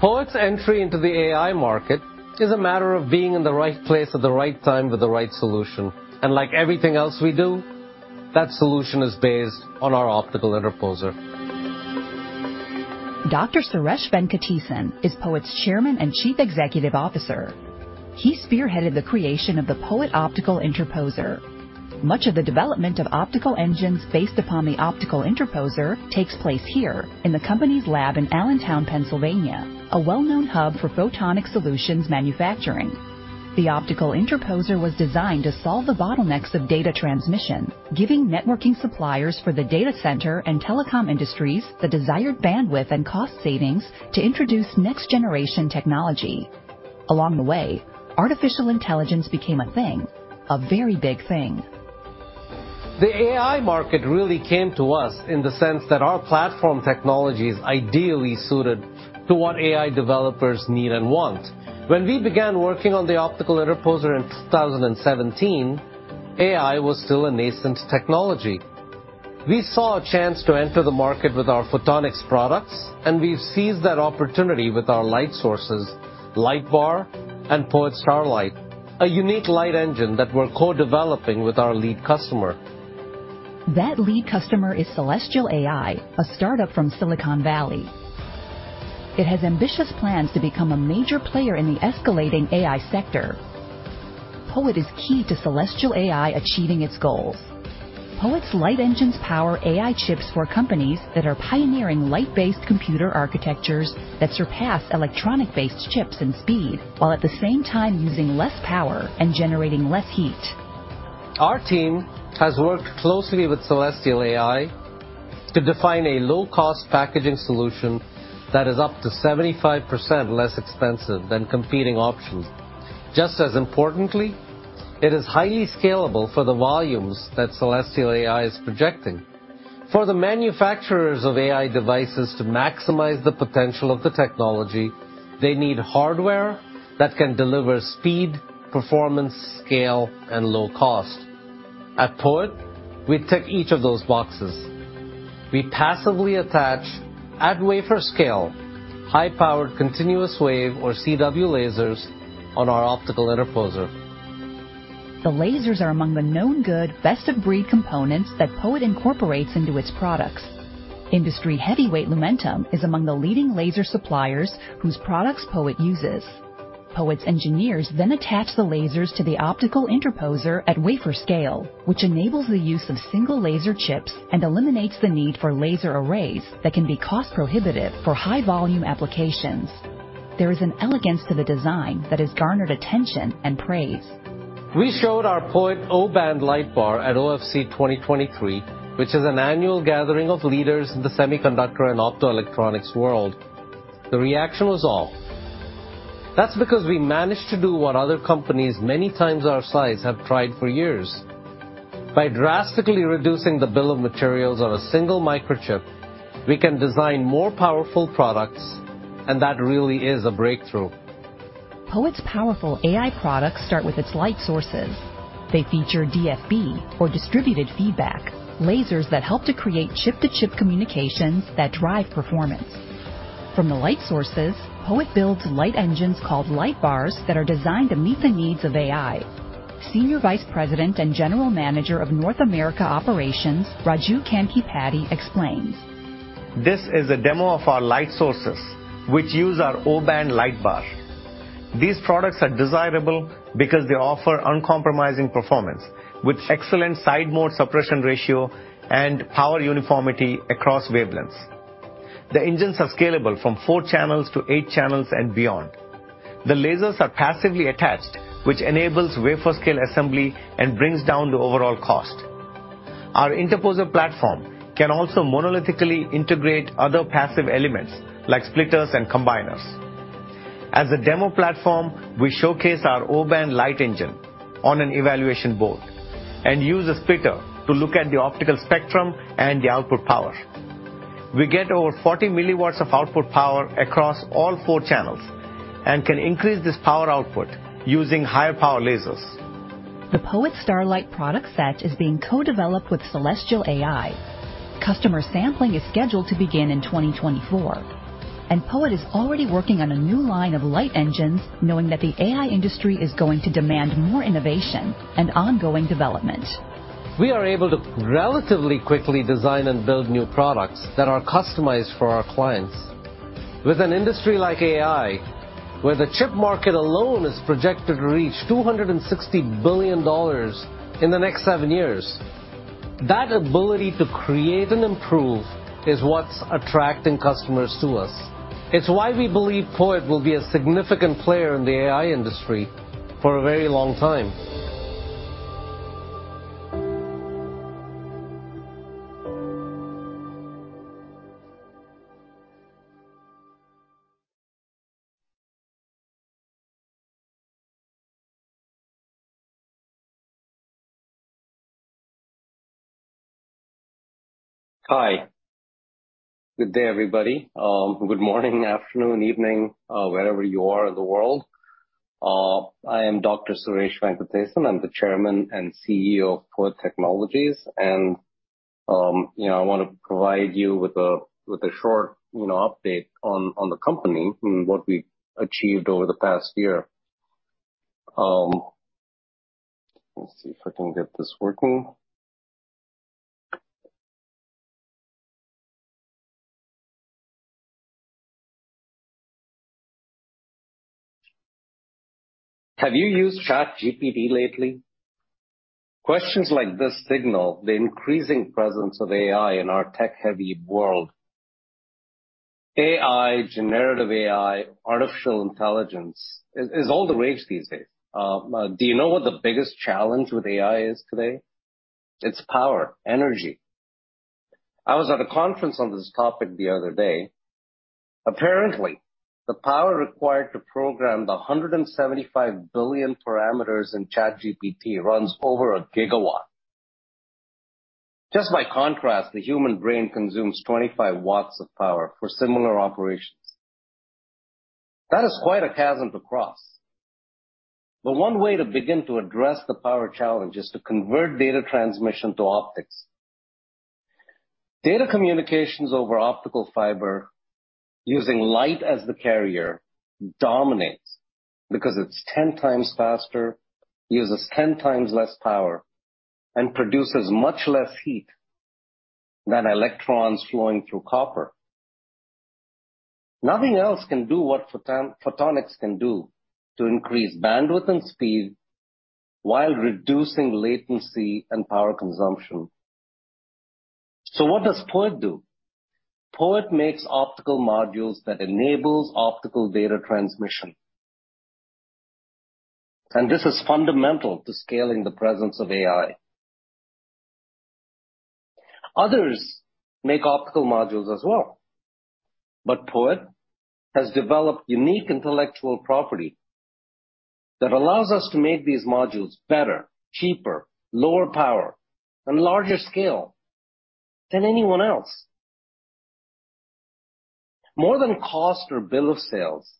POET's entry into the AI market is a matter of being in the right place at the right time with the right solution. Like everything else we do, that solution is based on our optical interposer. Dr. Suresh Venkatesan is POET's Chairman and Chief Executive Officer. He spearheaded the creation of the POET Optical Interposer. Much of the development of optical engines based upon the optical interposer takes place here in the company's lab in Allentown, Pennsylvania, a well-known hub for photonic solutions manufacturing. The optical interposer was designed to solve the bottlenecks of data transmission, giving networking suppliers for the data center and telecom industries the desired bandwidth and cost savings to introduce next generation technology. Along the way, artificial intelligence became a thing, a very big thing. The AI market really came to us in the sense that our platform technology is ideally suited to what AI developers need and want. When we began working on the Optical Interposer in 2017, AI was still a nascent technology. We saw a chance to enter the market with our photonics products, and we seized that opportunity with our light sources, LightBar and POET Starlight, a unique light engine that we're co-developing with our lead customer. That lead customer is Celestial AI, a startup from Silicon Valley. It has ambitious plans to become a major player in the escalating AI sector. POET is key to Celestial AI achieving its goals. POET's light engines power AI chips for companies that are pioneering light-based computer architectures that surpass electronic-based chips and speed, while at the same time using less power and generating less heat. Our team has worked closely with Celestial AI to define a low-cost packaging solution that is up to 75% less expensive than competing options. Just as importantly, it is highly scalable for the volumes that Celestial AI is projecting. For the manufacturers of AI devices to maximize the potential of the technology, they need hardware that can deliver speed, performance, scale, and low cost. At POET, we tick each of those boxes. We passively attach at wafer scale, high-powered continuous wave or CW lasers on our optical interposer. The lasers are among the known good best-of-breed components that POET incorporates into its products. Industry heavyweight Lumentum is among the leading laser suppliers whose products POET uses. POET's engineers then attach the lasers to the optical interposer at wafer scale, which enables the use of single laser chips and eliminates the need for laser arrays that can be cost prohibitive for high volume applications. There is an elegance to the design that has garnered attention and praise. We showed our POET O-band LightBar at OFC 2023, which is an annual gathering of leaders in the semiconductor and optoelectronics world. The reaction was awe. That's because we managed to do what other companies many times our size have tried for years. By drastically reducing the bill of materials on a single microchip, we can design more powerful products, and that really is a breakthrough. POET's powerful AI products start with its light sources. They feature DFB, or distributed feedback, lasers that help to create chip-to-chip communications that drive performance. From the light sources, POET builds light engines called LightBars that are designed to meet the needs of AI. Senior Vice President and General Manager of North America Operations, Raju Kankipati, explains. This is a demo of our light sources, which use our O-band LightBar. These products are desirable because they offer uncompromising performance, with excellent side mode suppression ratio and power uniformity across wavelengths. The engines are scalable from four channels to eight channels and beyond. The lasers are passively attached, which enables wafer-scale assembly and brings down the overall cost. Our interposer platform can also monolithically integrate other passive elements like splitters and combiners. As a demo platform, we showcase our O-band light engine on an evaluation board and use a splitter to look at the optical spectrum and the output power. We get over 40 milliwatts of output power across all four channels and can increase this power output using higher power lasers. The POET Starlight product set is being co-developed with Celestial AI. Customer sampling is scheduled to begin in 2024. POET is already working on a new line of light engines, knowing that the AI industry is going to demand more innovation and ongoing development. We are able to relatively quickly design and build new products that are customized for our clients. With an industry like AI, where the chip market alone is projected to reach $260 billion in the next seven years, that ability to create and improve is what's attracting customers to us. It's why we believe POET will be a significant player in the AI industry for a very long time. Hi. Good day, everybody. Good morning, afternoon, evening, wherever you are in the world. I am Dr. Suresh Venkatesan. I'm the Chairman and CEO of POET Technologies, and I want to provide you with a short update on the company and what we've achieved over the past year. Let's see if I can get this working. Have you used ChatGPT lately? Questions like this signal the increasing presence of AI in our tech-heavy world. AI, generative AI, artificial intelligence is all the rage these days. Do you know what the biggest challenge with AI is today? It's power, energy. I was at a conference on this topic the other day. Apparently, the power required to program the 175 billion parameters in ChatGPT runs over a gigawatt. Just by contrast, the human brain consumes 25 W of power for similar operations. That is quite a chasm to cross. One way to begin to address the power challenge is to convert data transmission to optics. Data communications over optical fiber using light as the carrier dominates because it's 10x faster, uses 10x less power, and produces much less heat than electrons flowing through copper. Nothing else can do what photonics can do to increase bandwidth and speed while reducing latency and power consumption. What does POET do? POET makes optical modules that enables optical data transmission. This is fundamental to scaling the presence of AI. Others make optical modules as well. POET has developed unique intellectual property that allows us to make these modules better, cheaper, lower power, and larger scale than anyone else. More than cost or bill of materials,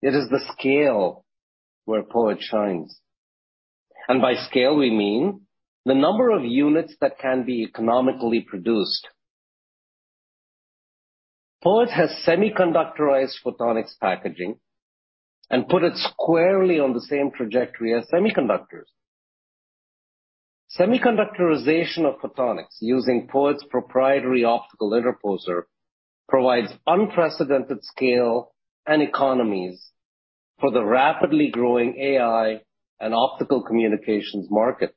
it is the scale where POET shines. By scale, we mean the number of units that can be economically produced. POET has semiconductorized photonics packaging and put it squarely on the same trajectory as semiconductors. Semiconductorization of photonics using POET's proprietary optical interposer provides unprecedented scale and economies for the rapidly growing AI and optical communications market.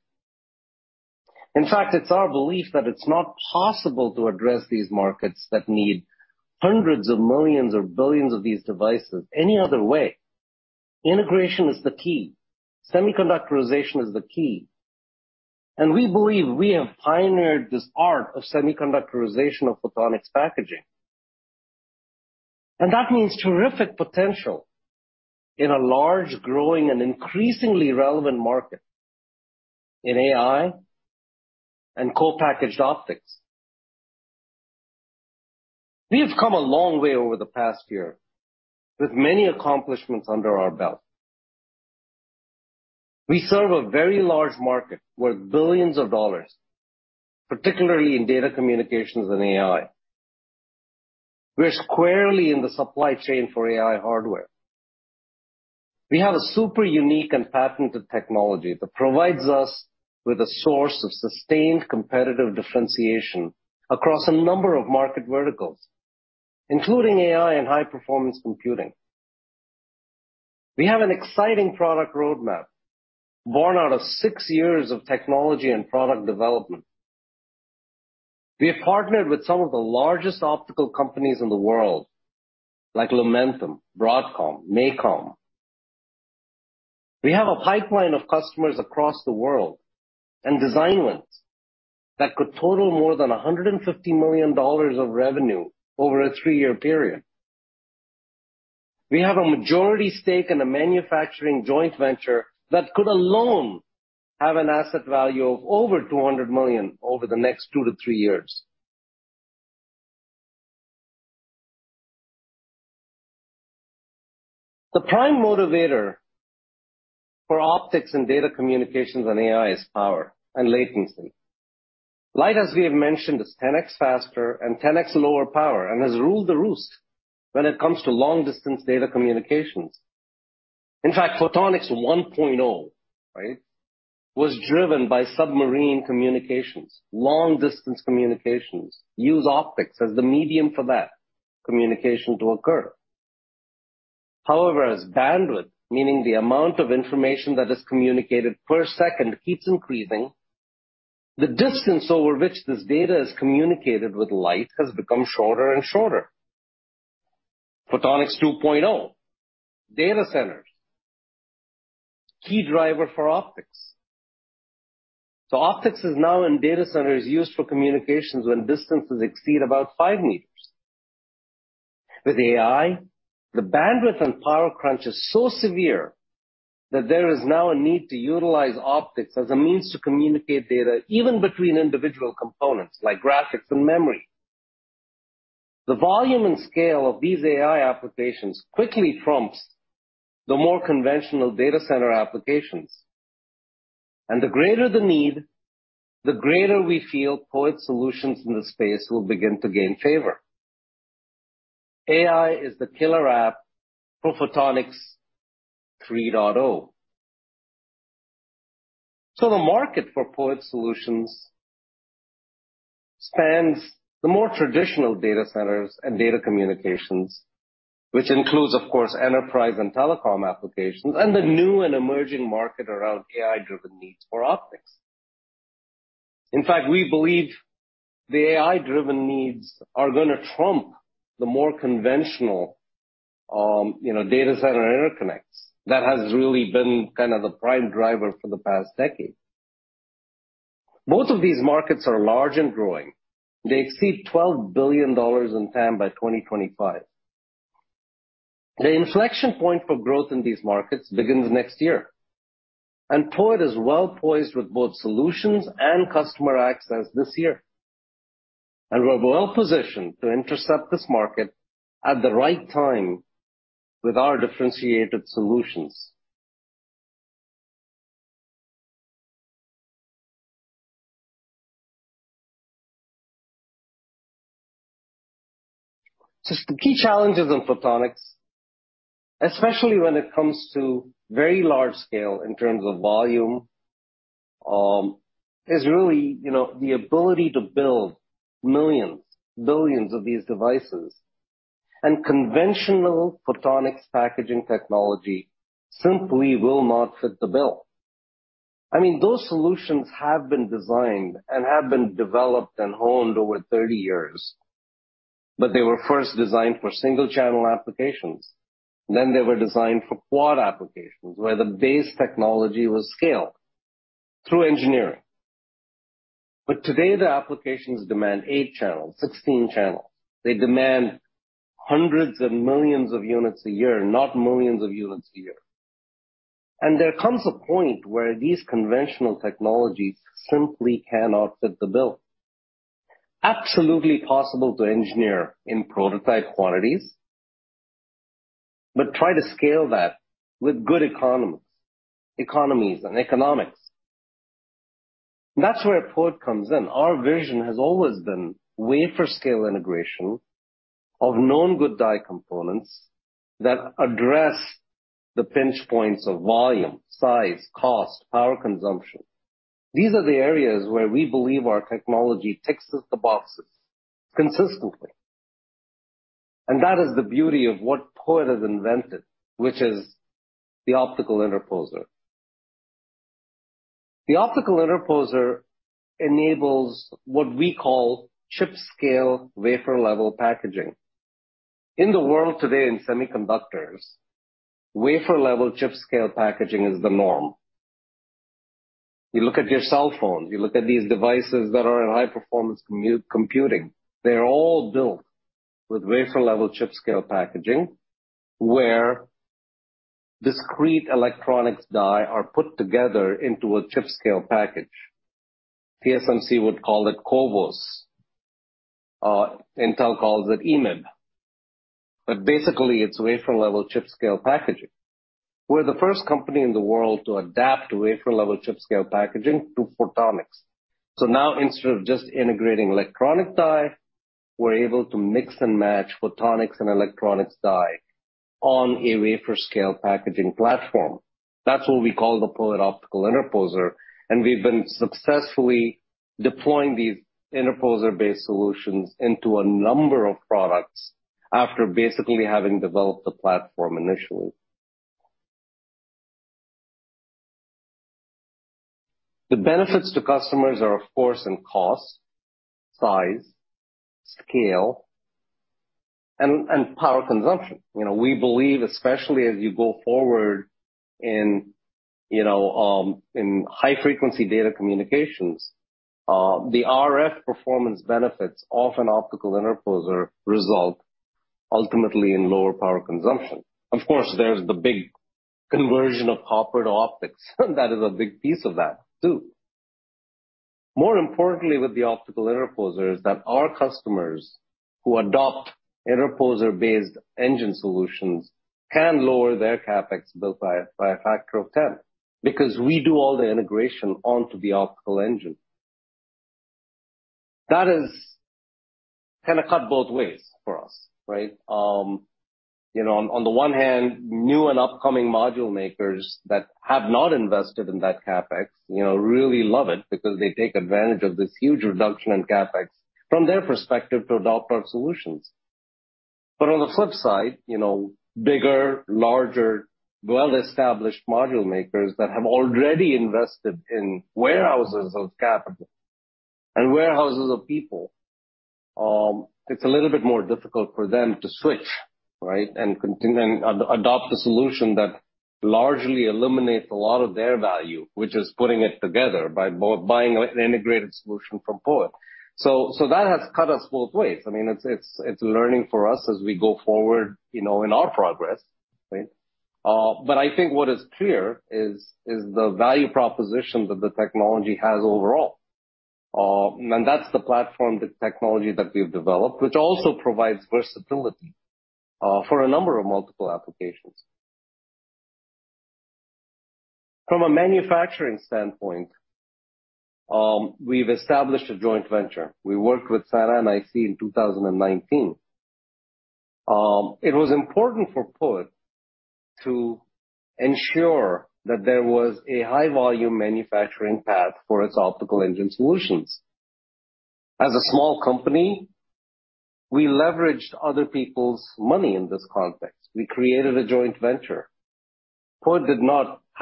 In fact, it's our belief that it's not possible to address these markets that need hundreds of millions or billions of these devices any other way. Integration is the key. Semiconductorization is the key. We believe we have pioneered this art of semiconductorization of photonics packaging. That means terrific potential in a large, growing, and increasingly relevant market in AI and co-packaged optics. We have come a long way over the past year with many accomplishments under our belt. We serve a very large market worth $billions, particularly in data communications and AI. We're squarely in the supply chain for AI hardware. We have a super unique and patented technology that provides us with a source of sustained competitive differentiation across a number of market verticals, including AI and high-performance computing. We have an exciting product roadmap born out of six years of technology and product development. We have partnered with some of the largest optical companies in the world, like Lumentum, Broadcom, MACOM. We have a pipeline of customers across the world and design wins that could total more than $150 million of revenue over a three-year period. We have a majority stake in a manufacturing joint venture that could alone have an asset value of over $200 million over the next two to three years. The prime motivator for optics and data communications on AI is power and latency. Light, as we have mentioned, is 10x faster and 10x lower power and has ruled the roost when it comes to long-distance data communications. In fact, Photonics 1.0 was driven by submarine communications. Long-distance communications use optics as the medium for that communication to occur. However, as bandwidth, meaning the amount of information that is communicated per second, keeps increasing, the distance over which this data is communicated with light has become shorter and shorter. Photonics 2.0 data centers, key driver for optics. Optics is now in data centers used for communications when distances exceed about five meters. With AI, the bandwidth and power crunch is so severe that there is now a need to utilize optics as a means to communicate data even between individual components, like graphics and memory. The volume and scale of these AI applications quickly trumps the more conventional data center applications. The greater the need, the greater we feel POET solutions in the space will begin to gain favor. AI is the killer app for Photonics 3.0. The market for POET solutions spans the more traditional data centers and data communications, which includes, of course, enterprise and telecom applications, and the new and emerging market around AI-driven needs for optics. In fact, we believe the AI-driven needs are going to trump the more conventional data center interconnects that has really been the prime driver for the past decade. Both of these markets are large and growing. They exceed $12 billion in TAM by 2025. The inflection point for growth in these markets begins next year, and POET is well-poised with both solutions and customer access this year. We're well positioned to intercept this market at the right time with our differentiated solutions. The key challenges in photonics, especially when it comes to very large scale in terms of volume, is really the ability to build millions, billions of these devices. Conventional photonics packaging technology simply will not fit the bill. I mean, those solutions have been designed and have been developed and honed over 30 years. They were first designed for single-channel applications. They were designed for quad applications, where the base technology was scaled through engineering. Today, the applications demand eight channels, 16 channels. They demand hundreds of millions of units a year, not millions of units a year. There comes a point where these conventional technologies simply cannot fit the bill. It's absolutely possible to engineer in prototype quantities, but try to scale that with good economies and economics. That's where POET comes in. Our vision has always been wafer-scale integration of known good die components that address the pinch points of volume, size, cost, power consumption. These are the areas where we believe our technology ticks the boxes consistently. That is the beauty of what POET has invented, which is the optical interposer. The optical interposer enables what we call wafer-level chip-scale packaging. In the world today in semiconductors, wafer-level chip-scale packaging is the norm. You look at your cell phone, you look at these devices that are in high-performance computing. They're all built with wafer-level chip-scale packaging, where discrete electronics die are put together into a chip-scale package. TSMC would call it CoWoS. Intel calls it EMIB. But basically, it's wafer-level chip-scale packaging. We're the first company in the world to adapt wafer-level chip-scale packaging to photonics. Now instead of just integrating electronic die, we're able to mix and match photonics and electronics die on a wafer scale packaging platform. That's what we call the POET Optical Interposer, and we've been successfully deploying these interposer-based solutions into a number of products after basically having developed the platform initially. The benefits to customers are, of course, in cost, size, scale, and power consumption. We believe, especially as you go forward in high frequency data communications, the RF performance benefits of an optical interposer result ultimately in lower power consumption. Of course, there's the big conversion of copper to optics. That is a big piece of that too. More importantly with the optical interposer is that our customers who adopt interposer-based engine solutions can lower their CapEx bill by a factor of 10 because we do all the integration onto the optical engine. That has cut both ways for us, right? On the one hand, new and upcoming module makers that have not invested in that CapEx really love it because they take advantage of this huge reduction in CapEx from their perspective to adopt our solutions. On the flip side, bigger, larger, well-established module makers that have already invested in warehouses of capital and warehouses of people, it's a little bit more difficult for them to switch, right, and adopt a solution that largely eliminates a lot of their value, which is putting it together by buying an integrated solution from POET. That has cut us both ways. It's learning for us as we go forward in our progress, right? I think what is clear is the value proposition that the technology has overall. That's the platform, the technology that we've developed, which also provides versatility for a number of multiple applications. From a manufacturing standpoint, we've established a joint venture. We worked with Sanan IC in 2019. It was important for POET to ensure that there was a high volume manufacturing path for its optical engine solutions. As a small company, we leveraged other people's money in this context. We created a joint venture. POET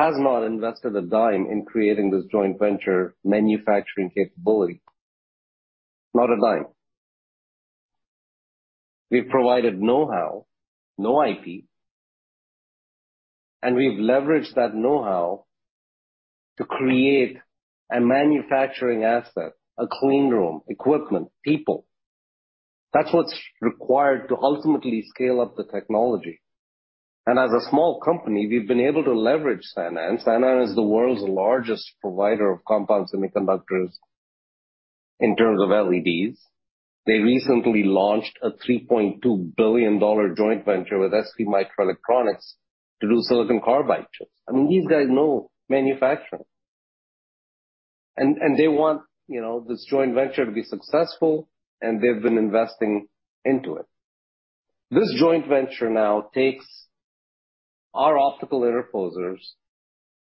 has not invested a dime in creating this joint venture manufacturing capability. Not a dime. We've provided know-how, no IP, and we've leveraged that know-how to create a manufacturing asset, a clean room, equipment, people. That's what's required to ultimately scale up the technology. As a small company, we've been able to leverage Sanan. Sanan is the world's largest provider of compound semiconductors in terms of LEDs. They recently launched a $3.2 billion joint venture with STMicroelectronics to do silicon carbide chips. These guys know manufacturing. They want this joint venture to be successful, and they've been investing into it. This joint venture now takes our optical interposers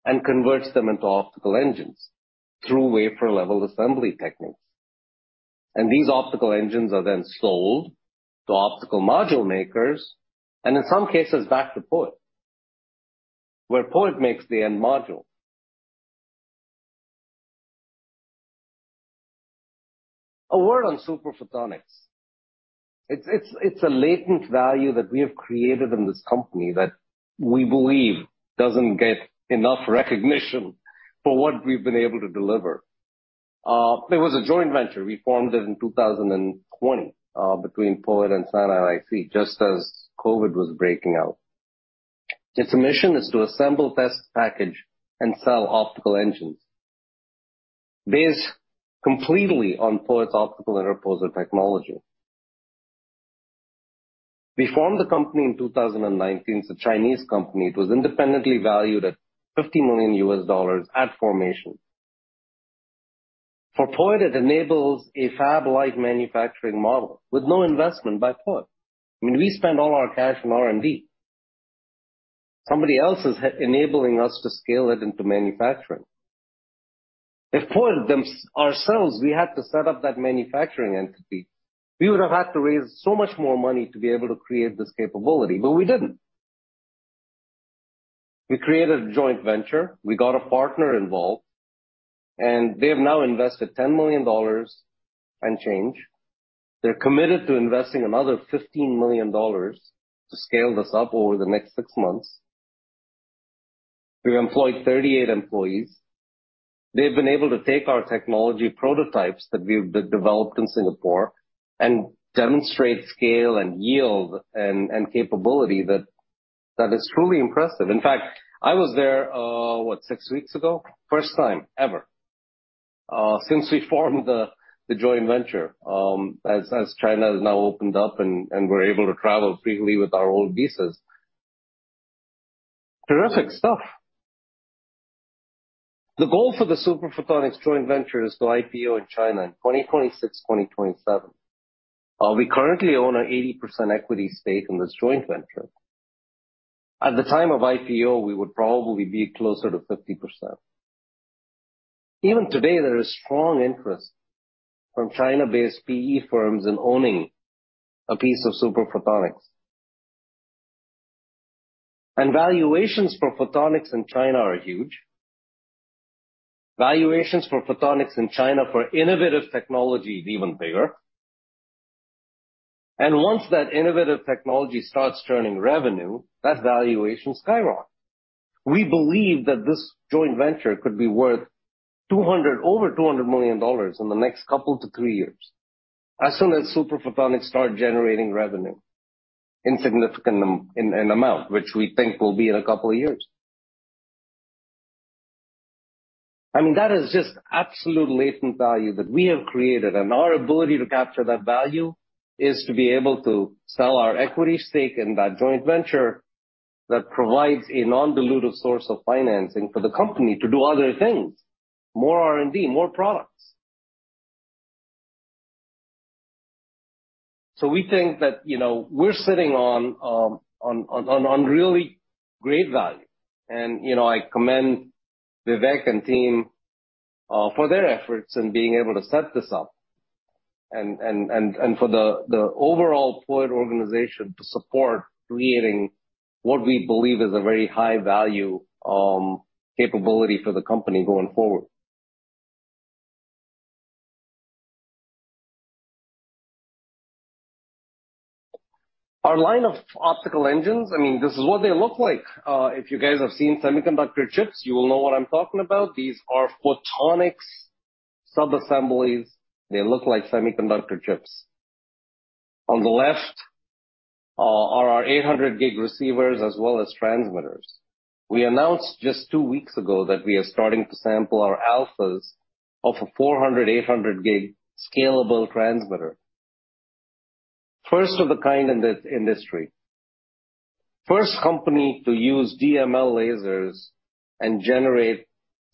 and converts them into optical engines through wafer level assembly techniques. These optical engines are then sold to optical module makers and in some cases back to POET, where POET makes the end module. A word on Super Photonics. It's a latent value that we have created in this company that we believe doesn't get enough recognition for what we've been able to deliver. It was a joint venture. We formed it in 2020, between POET and Sanan IC, just as COVID was breaking out. Its mission is to assemble, test, package, and sell optical engines based completely on POET's optical interposer technology. We formed the company in 2019. It's a Chinese company. It was independently valued at $50 million at formation. For POET, it enables a fab-like manufacturing model with no investment by POET. We spend all our cash on R&D. Somebody else is enabling us to scale it into manufacturing. If POET ourselves, we had to set up that manufacturing entity, we would have had to raise so much more money to be able to create this capability. We didn't. We created a joint venture. We got a partner involved, and they have now invested $10 million and change. They're committed to investing another $15 million to scale this up over the next six months. We employ 38 employees. They've been able to take our technology prototypes that we've developed in Singapore and demonstrate scale and yield and capability that is truly impressive. In fact, I was there, what, six weeks ago? First time ever. Since we formed the joint venture, as China has now opened up and we're able to travel freely with our own visas. Terrific stuff. The goal for the Super Photonics joint venture is to IPO in China in 2026-2027. We currently own an 80% equity stake in this joint venture. At the time of IPO, we would probably be closer to 50%. Even today, there is strong interest from China-based PE firms in owning a piece of Super Photonics. Valuations for photonics in China are huge. Valuations for photonics in China for innovative technology is even bigger. Once that innovative technology starts turning revenue, that valuation skyrockets. We believe that this joint venture could be worth over $200 million in the next couple to three years, as soon as Super Photonics start generating revenue in amount, which we think will be in a couple of years. I mean, that is just absolute latent value that we have created. Our ability to capture that value is to be able to sell our equity stake in that joint venture that provides a non-dilutive source of financing for the company to do other things, more R&D, more products. We think that we're sitting on really great value. I commend Vivek and team for their efforts in being able to set this up, and for the overall POET organization to support creating what we believe is a very high-value capability for the company going forward. Our line of optical engines, this is what they look like. If you guys have seen semiconductor chips, you will know what I'm talking about. These are photonics sub-assemblies. They look like semiconductor chips. On the left are our 800 Gb receivers as well as transmitters. We announced just two weeks ago that we are starting to sample our alphas of a 400 Gb, 800 Gb scalable transmitter. First of a kind in the industry. First company to use DML lasers and generate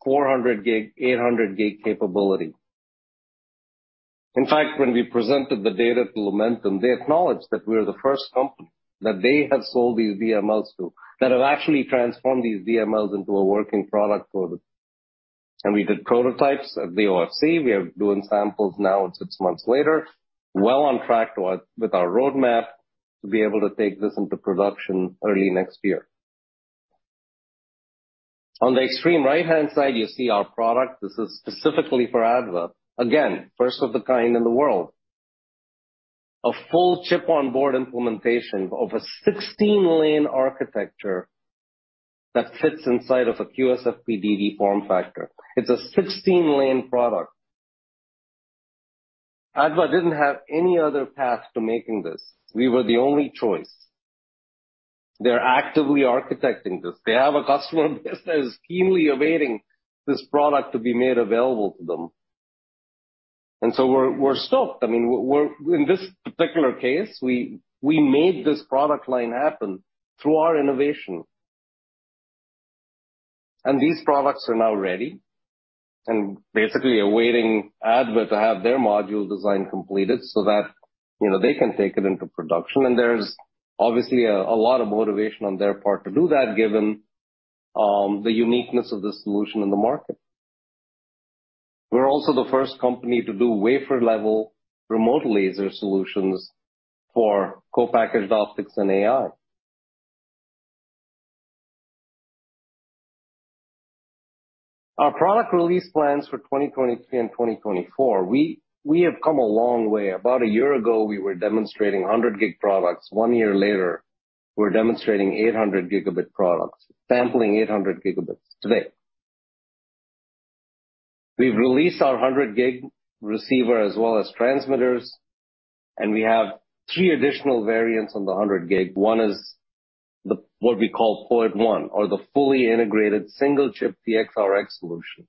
400 Gb, 800 Gb capability. In fact, when we presented the data to Lumentum, they acknowledged that we are the first company that they have sold these DMLs to, that have actually transformed these DMLs into a working product for them. We did prototypes at the OFC. We are doing samples now six months later, well on track with our roadmap to be able to take this into production early next year. On the extreme right-hand side, you see our product. This is specifically for ADVA. Again, first of its kind in the world. A full chip-on-board implementation of a 16-lane architecture that fits inside of a QSFP-DD form factor. It's a 16-lane product. ADVA didn't have any other path to making this. We were the only choice. They're actively architecting this. They have a customer base that is keenly awaiting this product to be made available to them. We're stoked. In this particular case, we made this product line happen through our innovation. These products are now ready and basically awaiting ADVA to have their module design completed so that they can take it into production. There's obviously a lot of motivation on their part to do that, given the uniqueness of this solution in the market. We're also the first company to do wafer-level remote laser solutions for co-packaged optics and AI. Our product release plans for 2023 and 2024. We have come a long way. About a year ago, we were demonstrating 100G products. One year later, we're demonstrating 800 Gb products, sampling 800 Gb today. We've released our 100G receiver as well as transmitters, and we have three additional variants on the 100G. One is what we call POET ONE or the fully integrated single-chip TX RX solution.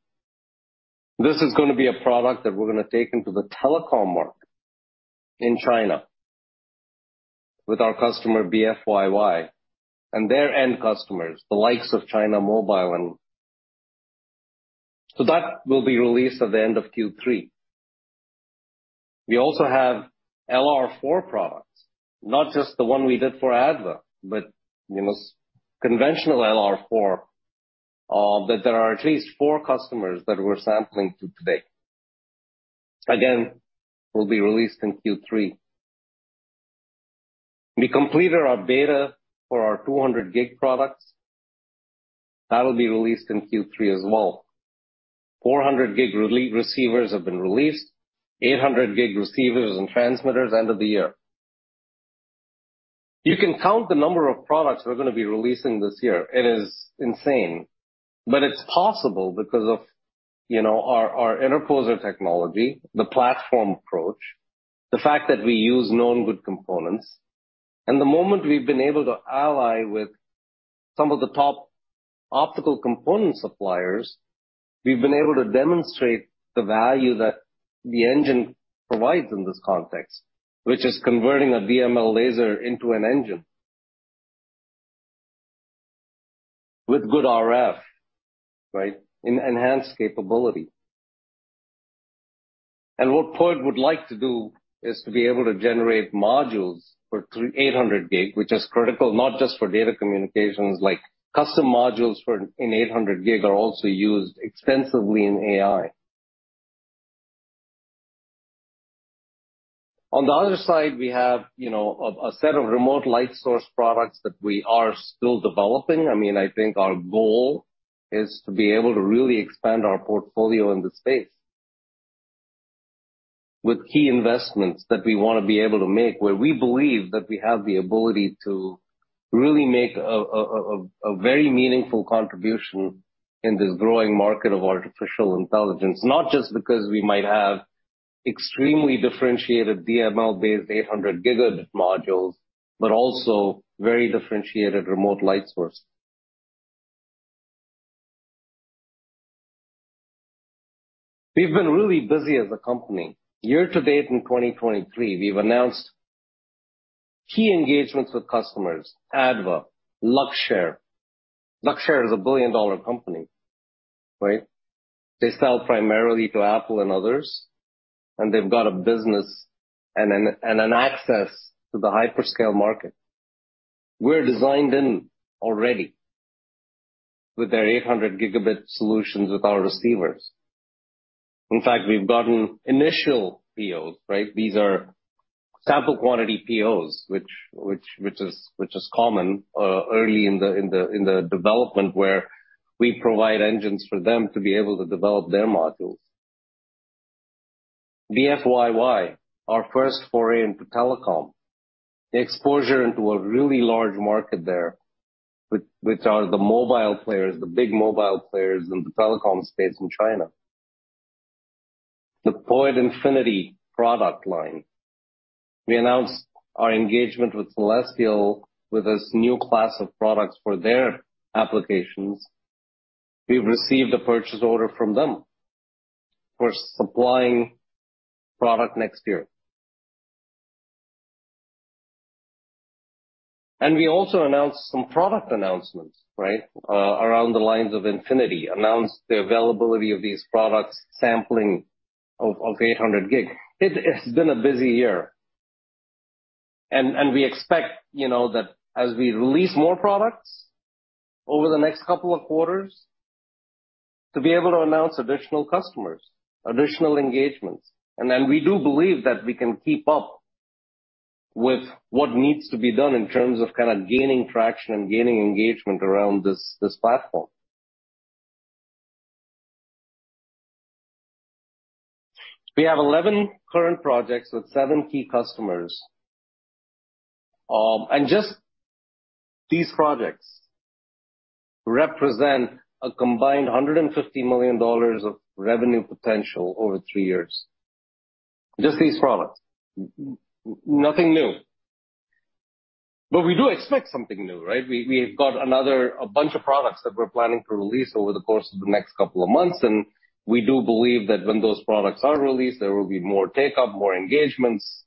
This is going to be a product that we're going to take into the telecom market in China with our customer BFYY and their end customers, the likes of China Mobile. That will be released at the end of Q3. We also have LR4 products, not just the one we did for ADVA, but conventional LR4, that there are at least four customers that we're sampling today. Again, will be released in Q3. We completed our beta for our 200 Gb products. That'll be released in Q3 as well. 400 Gb receivers have been released, 800 Gb receivers and transmitters end of the year. You can count the number of products we're going to be releasing this year. It is insane. It's possible because of our interposer technology, the platform approach, the fact that we use known good components, and the moment we've been able to ally with some of the top optical component suppliers, we've been able to demonstrate the value that the engine provides in this context, which is converting a DML laser into an engine. With good RF, right? Enhanced capability. What POET would like to do is to be able to generate modules for 800 Gb, which is critical not just for data communications. Custom modules in 800 Gb are also used extensively in AI. On the other side, we have a set of remote light source products that we are still developing. I think our goal is to be able to really expand our portfolio in this space. With key investments that we want to be able to make, where we believe that we have the ability to really make a very meaningful contribution in this growing market of artificial intelligence. Not just because we might have extremely differentiated DML-based 800 Gb modules, but also very differentiated remote light source. We've been really busy as a company. Year to date in 2023, we've announced key engagements with customers. ADVA, Luxshare. Luxshare is a billion-dollar company. They sell primarily to Apple and others, and they've got a business and an access to the hyperscale market. We're designed in already with their 800 Gb solutions with our receivers. In fact, we've gotten initial POs. These are sample quantity POs, which is common early in the development where we provide engines for them to be able to develop their modules. BFYY, our first foray into telecom. Exposure to a really large market there, which are the mobile players, the big mobile players in the telecom space in China. The POET Infinity product line. We announced our engagement with Celestial AI with this new class of products for their applications. We've received a purchase order from them for supplying product next year. We also announced some product announcements around the lines of Infinity, announced the availability of these products, sampling of 800 Gb. It has been a busy year. We expect that as we release more products over the next couple of quarters, to be able to announce additional customers, additional engagements. We do believe that we can keep up with what needs to be done in terms of gaining traction and gaining engagement around this platform. We have 11 current projects with seven key customers. Just these projects represent a combined $150 million of revenue potential over three years. Just these products. Nothing new. We do expect something new. We've got another bunch of products that we're planning to release over the course of the next couple of months, and we do believe that when those products are released, there will be more take-up, more engagements.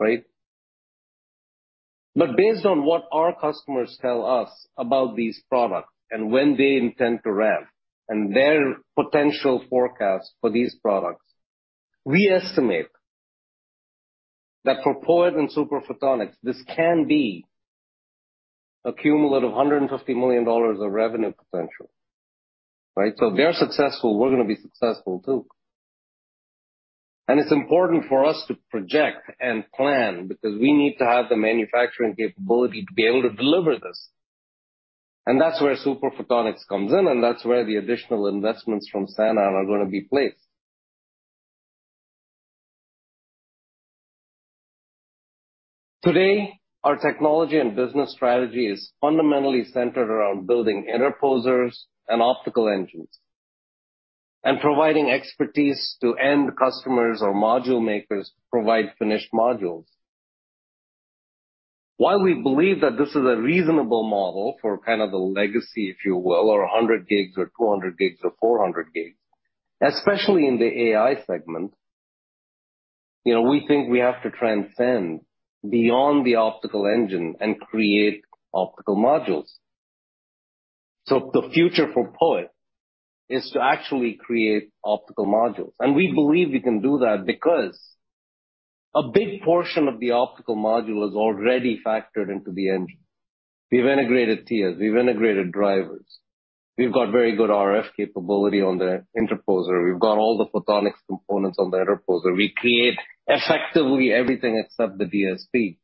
Based on what our customers tell us about these products and when they intend to ramp, and their potential forecast for these products, we estimate that for POET and Super Photonics, this can be a cumulative $150 million of revenue potential. If they're successful, we're going to be successful too. It's important for us to project and plan because we need to have the manufacturing capability to be able to deliver this. That's where Super Photonics comes in, and that's where the additional investments from Sanan are going to be placed. Today, our technology and business strategy is fundamentally centered around building interposers and optical engines and providing expertise to end customers or module makers to provide finished modules. While we believe that this is a reasonable model for the legacy, if you will, or 100 Gb or 200 Gb or 400 Gb. Especially in the AI segment, we think we have to transcend beyond the optical engine and create optical modules. The future for POET is to actually create optical modules. We believe we can do that because a big portion of the optical module is already factored into the engine. We've integrated TIAs, we've integrated drivers. We've got very good RF capability on the interposer. We've got all the photonics components on the interposer. We create effectively everything except the DSP.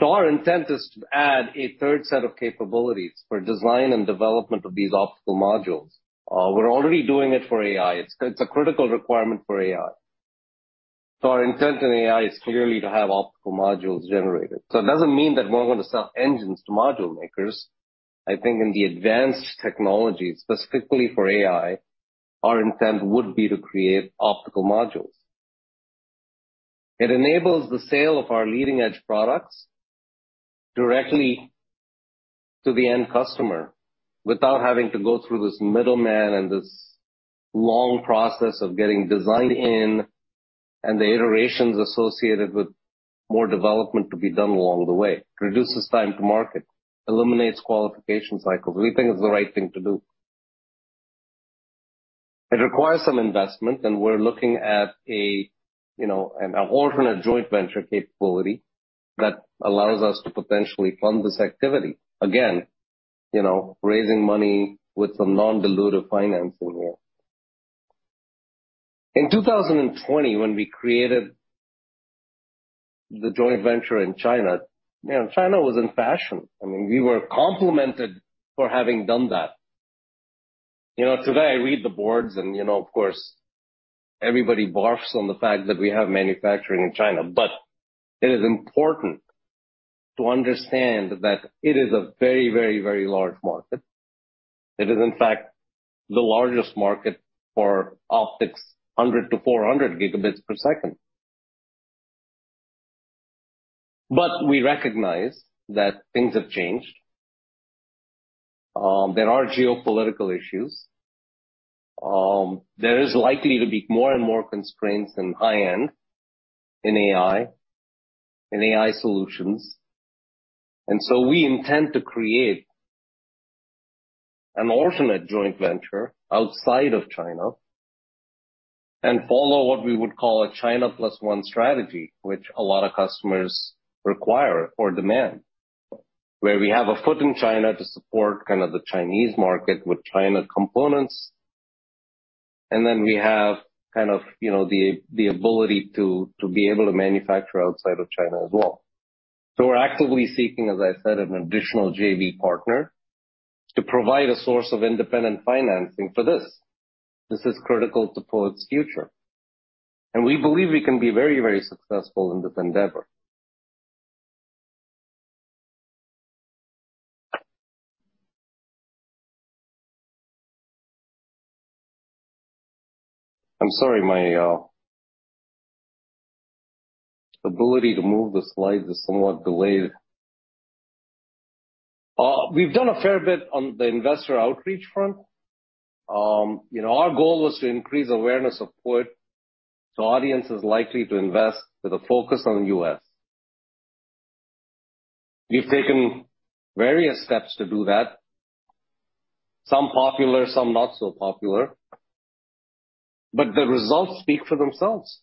Our intent is to add a third set of capabilities for design and development of these optical modules. We're already doing it for AI. It's a critical requirement for AI. Our intent in AI is clearly to have optical modules generated. It doesn't mean that we're not going to sell engines to module makers. I think in the advanced technology, specifically for AI, our intent would be to create optical modules. It enables the sale of our leading-edge products directly to the end customer without having to go through this middleman and this long process of getting designed in, and the iterations associated with more development to be done along the way. Reduces time to market, eliminates qualification cycles. We think it's the right thing to do. It requires some investment, and we're looking at an alternate joint venture capability that allows us to potentially fund this activity. Again, raising money with some non-dilutive financing here. In 2020, when we created the joint venture in China was in fashion. We were complimented for having done that. Today, I read the boards and, of course, everybody barfs on the fact that we have manufacturing in China. It is important to understand that it is a very large market. It is, in fact, the largest market for optics, 100 Gb-400 Gb per second. We recognize that things have changed. There are geopolitical issues. There is likely to be more and more constraints in high-end, in AI, in AI solutions. We intend to create an alternate joint venture outside of China and follow what we would call a China plus one strategy, which a lot of customers require or demand, where we have a foot in China to support the Chinese market with China components. We have the ability to be able to manufacture outside of China as well. We're actively seeking, as I said, an additional JV partner to provide a source of independent financing for this. This is critical to POET's future, and we believe we can be very successful in this endeavor. I'm sorry, my ability to move the slides is somewhat delayed. We've done a fair bit on the investor outreach front. Our goal was to increase awareness of POET to audiences likely to invest with a focus on the U.S. We've taken various steps to do that, some popular, some not so popular. The results speak for themselves.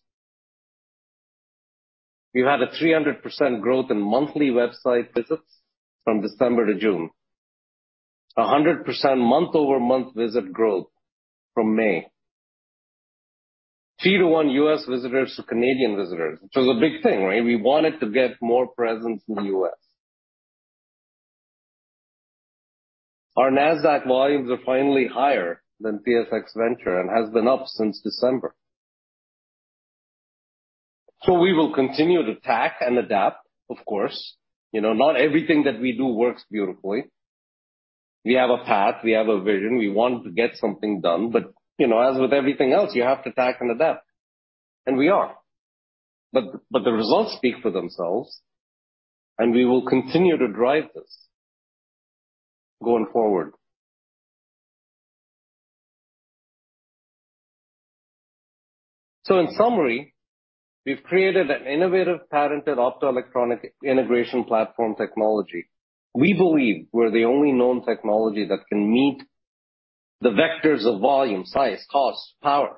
We've had 300% growth in monthly website visits from December to June. 100% month-over-month visit growth from May. Three-one U.S. visitors to Canadian visitors, which was a big thing, right? We wanted to get more presence in the U.S. Our Nasdaq volumes are finally higher than TSX Venture and has been up since December. We will continue to track and adapt, of course. Not everything that we do works beautifully. We have a path, we have a vision. We want to get something done. As with everything else, you have to tack and adapt. We are. The results speak for themselves, and we will continue to drive this going forward. In summary, we've created an innovative, patented optoelectronic integration platform technology. We believe we're the only known technology that can meet the vectors of volume, size, cost, power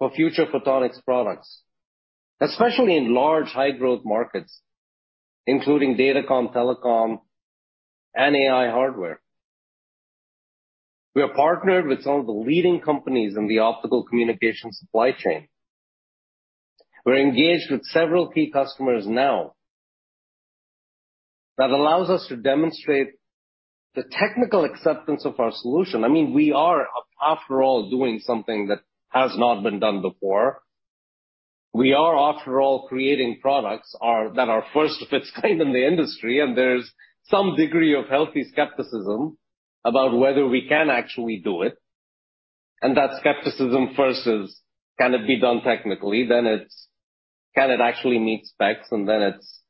for future photonics products, especially in large, high-growth markets, including datacom, telecom, and AI hardware. We are partnered with some of the leading companies in the optical communication supply chain. We're engaged with several key customers now that allows us to demonstrate the technical acceptance of our solution. We are, after all, doing something that has not been done before. We are, after all, creating products that are first of its kind in the industry, and there's some degree of healthy skepticism about whether we can actually do it. That skepticism first is, can it be done technically? It's, can it actually meet specs? It's,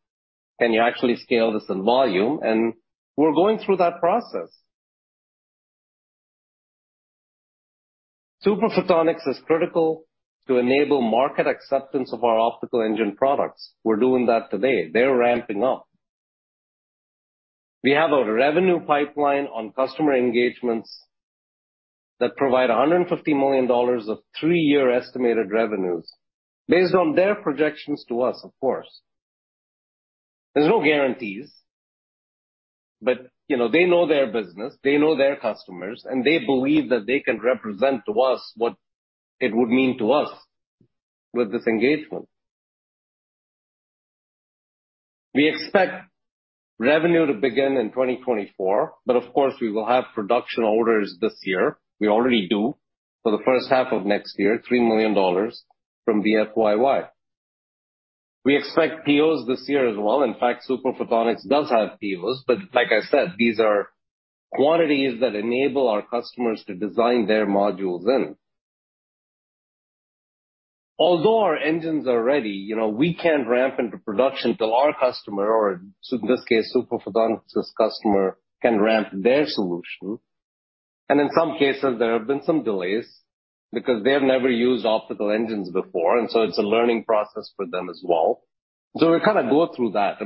can you actually scale this in volume? We're going through that process. Super Photonics is critical to enable market acceptance of our optical engine products. We're doing that today. They're ramping up. We have a revenue pipeline on customer engagements that provide $150 million of three-year estimated revenues based on their projections to us, of course. There's no guarantees. They know their business, they know their customers, and they believe that they can represent to us what it would mean to us with this engagement. We expect revenue to begin in 2024, but of course, we will have production orders this year. We already do for the first half of next year, $3 million from BFYY. We expect POs this year as well. In fact, Super Photonics does have POs, but like I said, these are quantities that enable our customers to design their modules in. Although our engines are ready, we can't ramp into production till our customer, so in this case, Super Photonics' customer, can ramp their solution. In some cases, there have been some delays because they have never used optical engines before, and so it's a learning process for them as well. We kind of go through that.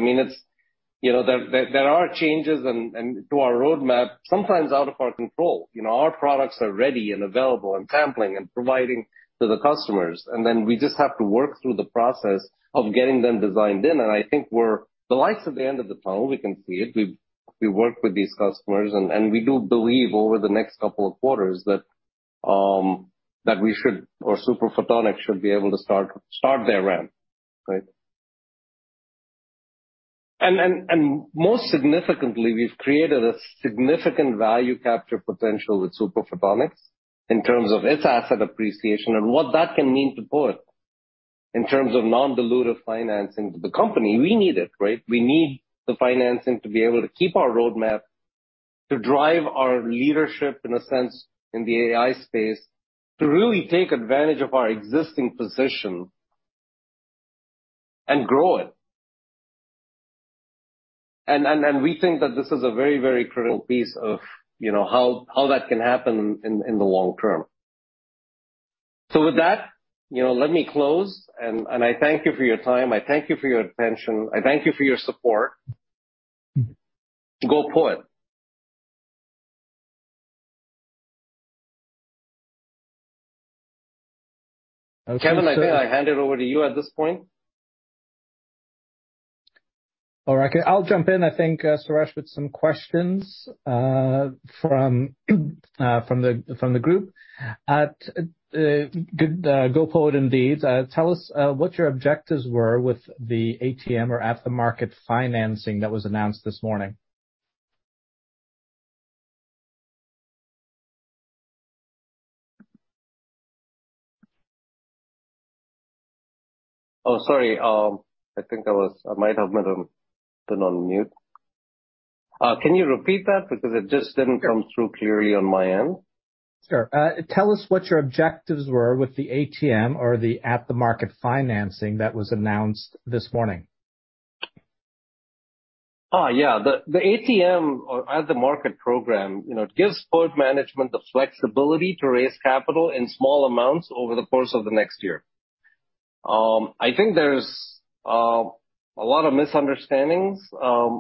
There are changes to our roadmap, sometimes out of our control. Our products are ready and available in sampling and providing to the customers, and then we just have to work through the process of getting them designed in. I think the light's at the end of the tunnel, we can see it. We work with these customers, and we do believe over the next couple of quarters that we should, or Super Photonics should be able to start their ramp. Right? Most significantly, we've created a significant value capture potential with Super Photonics in terms of its asset appreciation and what that can mean to POET in terms of non-dilutive financing to the company. We need it, right? We need the financing to be able to keep our roadmap, to drive our leadership, in a sense, in the AI space, to really take advantage of our existing position and grow it. We think that this is a very critical piece of how that can happen in the long term. With that, let me close, and I thank you for your time. I thank you for your attention. I thank you for your support. Go POET. Kevin, I think I hand it over to you at this point. All right. I'll jump in, I think, Suresh, with some questions from the group. Go POET indeed. Tell us what your objectives were with the ATM or at-the-market financing that was announced this morning. Oh, sorry. I think I might have been on mute. Can you repeat that? Because it just didn't come through clearly on my end. Sure. Tell us what your objectives were with the ATM or the at-the-market financing that was announced this morning? The ATM or at-the-market program, it gives POET management the flexibility to raise capital in small amounts over the course of the next year. I think there's a lot of misunderstandings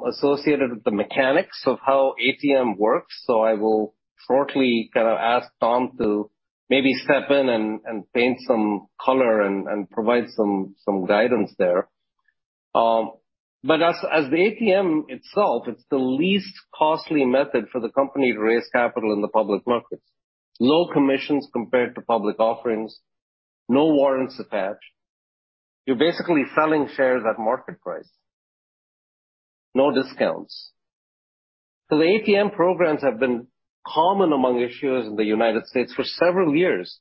associated with the mechanics of how ATM works, so I will shortly ask Tom to maybe step in and paint some color and provide some guidance there. As the ATM itself, it's the least costly method for the company to raise capital in the public markets. Low commissions compared to public offerings, no warrants attached. You're basically selling shares at market price. No discounts. The ATM programs have been common among issuers in the United States for several years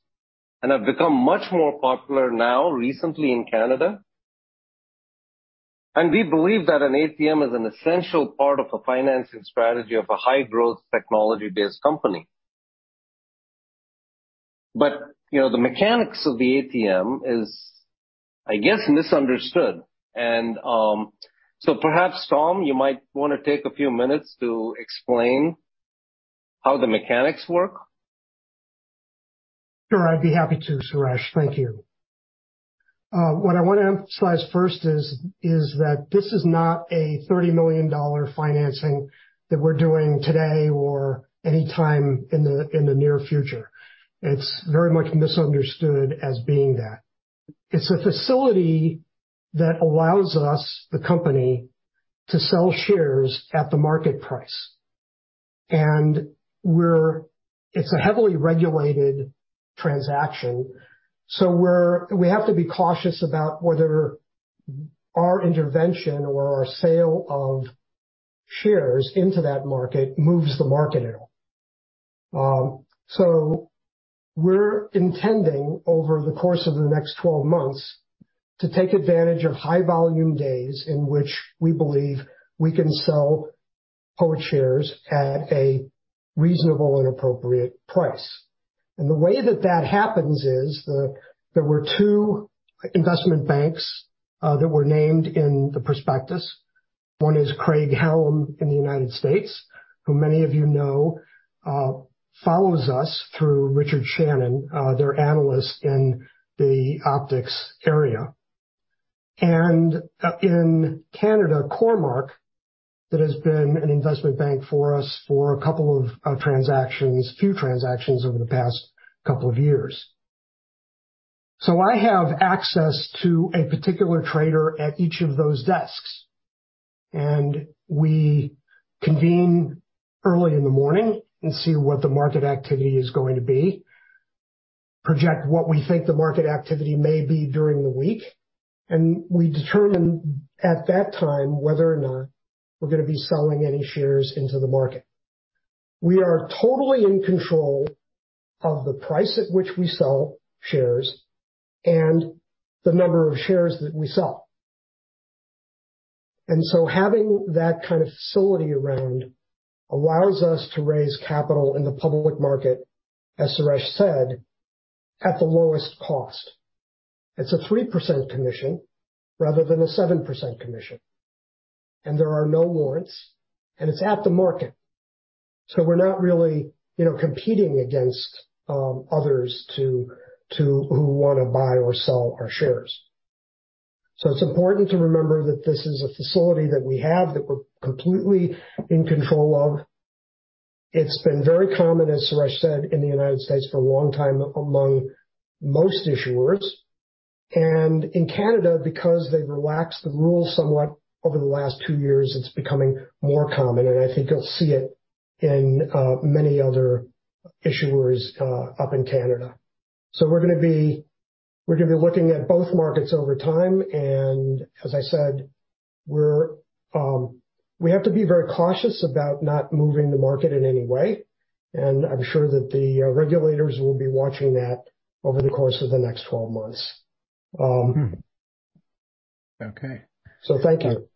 and have become much more popular now recently in Canada. We believe that an ATM is an essential part of a financing strategy of a high-growth, technology-based company. The mechanics of the ATM is, I guess, misunderstood. Perhaps, Tom, you might want to take a few minutes to explain how the mechanics work. Sure. I'd be happy to, Suresh. Thank you. What I want to emphasize first is that this is not a $30 million financing that we're doing today or any time in the near future. It's very much misunderstood as being that. It's a facility that allows us, the company, to sell shares at the market price. It's a heavily regulated transaction, so we have to be cautious about whether our intervention or our sale of shares into that market moves the market at all. We're intending, over the course of the next 12 months, to take advantage of high volume days in which we believe we can sell POET shares at a reasonable and appropriate price. The way that that happens is there were two investment banks that were named in the prospectus. One is Craig-Hallum in the United States, who many of you know follows us through Richard Shannon, their analyst in the optics area. In Canada, Cormark, that has been an investment bank for us for a couple of transactions, few transactions over the past couple of years. I have access to a particular trader at each of those desks, and we convene early in the morning and see what the market activity is going to be, project what we think the market activity may be during the week, and we determine at that time whether or not we're going to be selling any shares into the market. We are totally in control of the price at which we sell shares and the number of shares that we sell. Having that kind of facility around allows us to raise capital in the public market, as Suresh said, at the lowest cost. It's a 3% commission rather than a 7% commission, and there are no warrants, and it's at the market, so we're not really competing against others who want to buy or sell our shares. It's important to remember that this is a facility that we have that we're completely in control of. It's been very common, as Suresh said, in the United States for a long time among most issuers. In Canada, because they've relaxed the rules somewhat over the last two years, it's becoming more common, and I think you'll see it in many other issuers up in Canada. We're going to be looking at both markets over time, and as I said, we have to be very cautious about not moving the market in any way, and I'm sure that the regulators will be watching that over the course of the next 12 months. Okay. Thank you.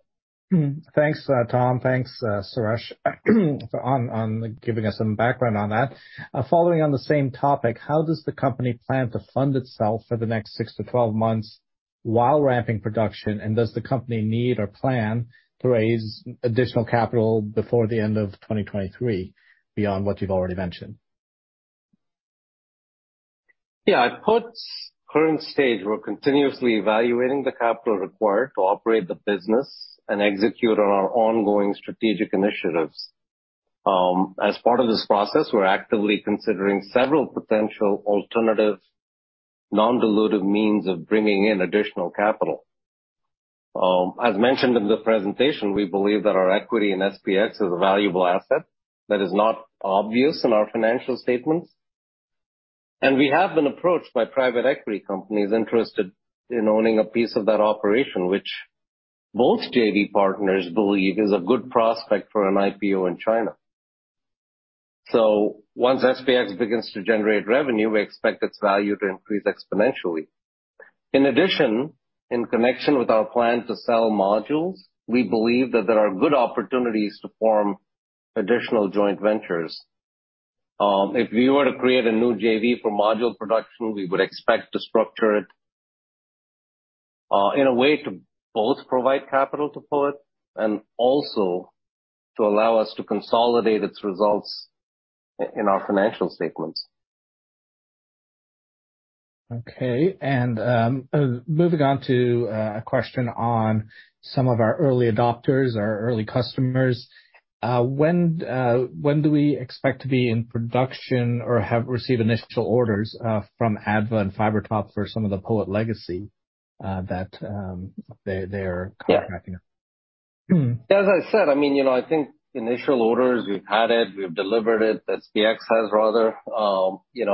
Thanks, Tom. Thanks, Suresh, on giving us some background on that. Following on the same topic, how does the company plan to fund itself for the next six-12 months while ramping production? And does the company need or plan to raise additional capital before the end of 2023 beyond what you've already mentioned? Yeah. At current stage, we're continuously evaluating the capital required to operate the business and execute on our ongoing strategic initiatives. As part of this process, we're actively considering several potential alternative non-dilutive means of bringing in additional capital. As mentioned in the presentation, we believe that our equity in SPX is a valuable asset that is not obvious in our financial statements. We have been approached by private equity companies interested in owning a piece of that operation, which both JV partners believe is a good prospect for an IPO in China. Once SPX begins to generate revenue, we expect its value to increase exponentially. In addition, in connection with our plan to sell modules, we believe that there are good opportunities to form additional joint ventures. If we were to create a new JV for module production, we would expect to structure it in a way to both provide capital to POET and also to allow us to consolidate its results in our financial statements. Okay. Moving on to a question on some of our early adopters, our early customers. When do we expect to be in production or have received initial orders from ADVA and FiberTop for some of the POET legacy that they are contracting? As I said, I think initial orders, we've had it, we've delivered it. The SPX has rather.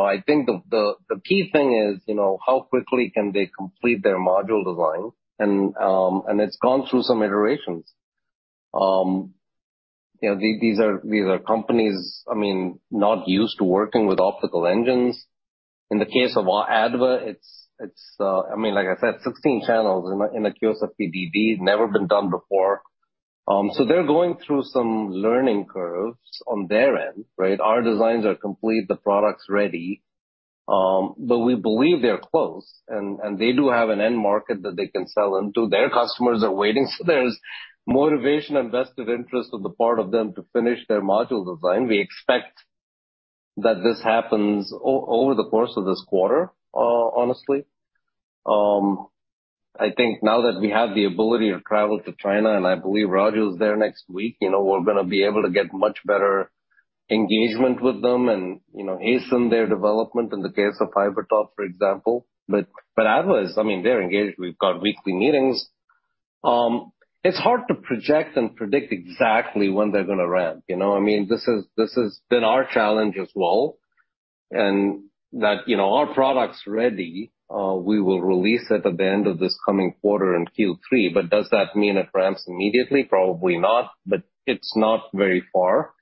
I think the key thing is how quickly can they complete their module design. It's gone through some iterations. These are companies not used to working with optical engines. In the case of ADVA, like I said, 16 channels in a QSFP-DD, never been done before. They're going through some learning curves on their end, right? Our designs are complete, the product's ready, but we believe they're close, and they do have an end market that they can sell into. Their customers are waiting, so there's motivation and vested interest on the part of them to finish their module design. We expect that this happens over the course of this quarter, honestly. I think now that we have the ability to travel to China, and I believe Raju is there next week, we're going to be able to get much better engagement with them and hasten their development in the case of FiberTop, for example. ADVA, they're engaged. We've got weekly meetings. It's hard to project and predict exactly when they're going to ramp. You know what I mean? This has been our challenge as well, and that our product's ready. We will release it at the end of this coming quarter in Q3, but does that mean it ramps immediately? Probably not, but it's not very far.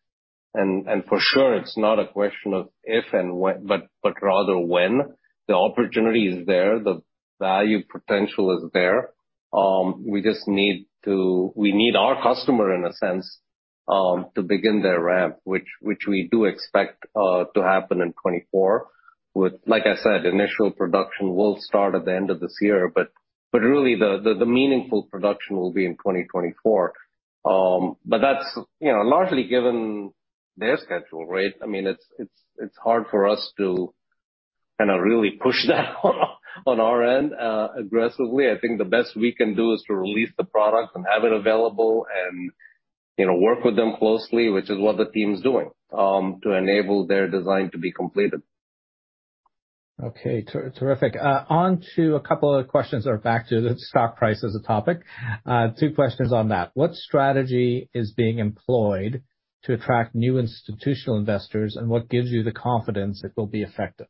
For sure, it's not a question of if and when, but rather when. The opportunity is there. The value potential is there. We need our customer, in a sense, to begin their ramp, which we do expect to happen in 2024. Like I said, initial production will start at the end of this year, but really the meaningful production will be in 2024. That's largely given their schedule, right? It's hard for us to really push that on our end aggressively. I think the best we can do is to release the product and have it available and work with them closely, which is what the team's doing, to enable their design to be completed. Okay. Terrific. On to a couple of questions or back to the stock price as a topic. Two questions on that. What strategy is being employed to attract new institutional investors, and what gives you the confidence it will be effective?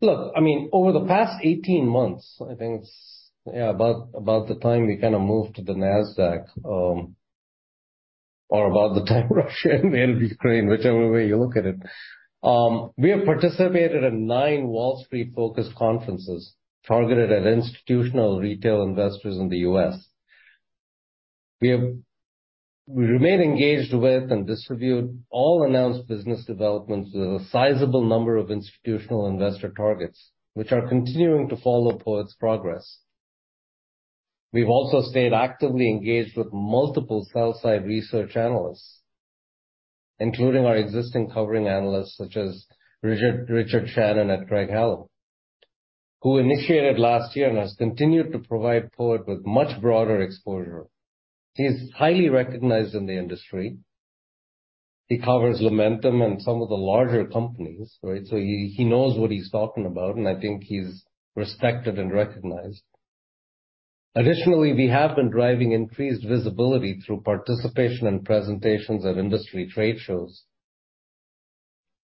Look, over the past 18 months, I think it's about the time we moved to the Nasdaq or about the time Russia invaded Ukraine, whichever way you look at it. We have participated in nine Wall Street-focused conferences targeted at institutional retail investors in the U.S. We remain engaged with and distributed all announced business developments with a sizable number of institutional investor targets, which are continuing to follow POET's progress. We've also stayed actively engaged with multiple sell-side research analysts, including our existing covering analysts such as Richard Shannon at Craig-Hallum, who initiated last year and has continued to provide POET with much broader exposure. He is highly recognized in the industry. He covers Lumentum and some of the larger companies, right? So he knows what he's talking about, and I think he's respected and recognized. Additionally, we have been driving increased visibility through participation and presentations at industry trade shows.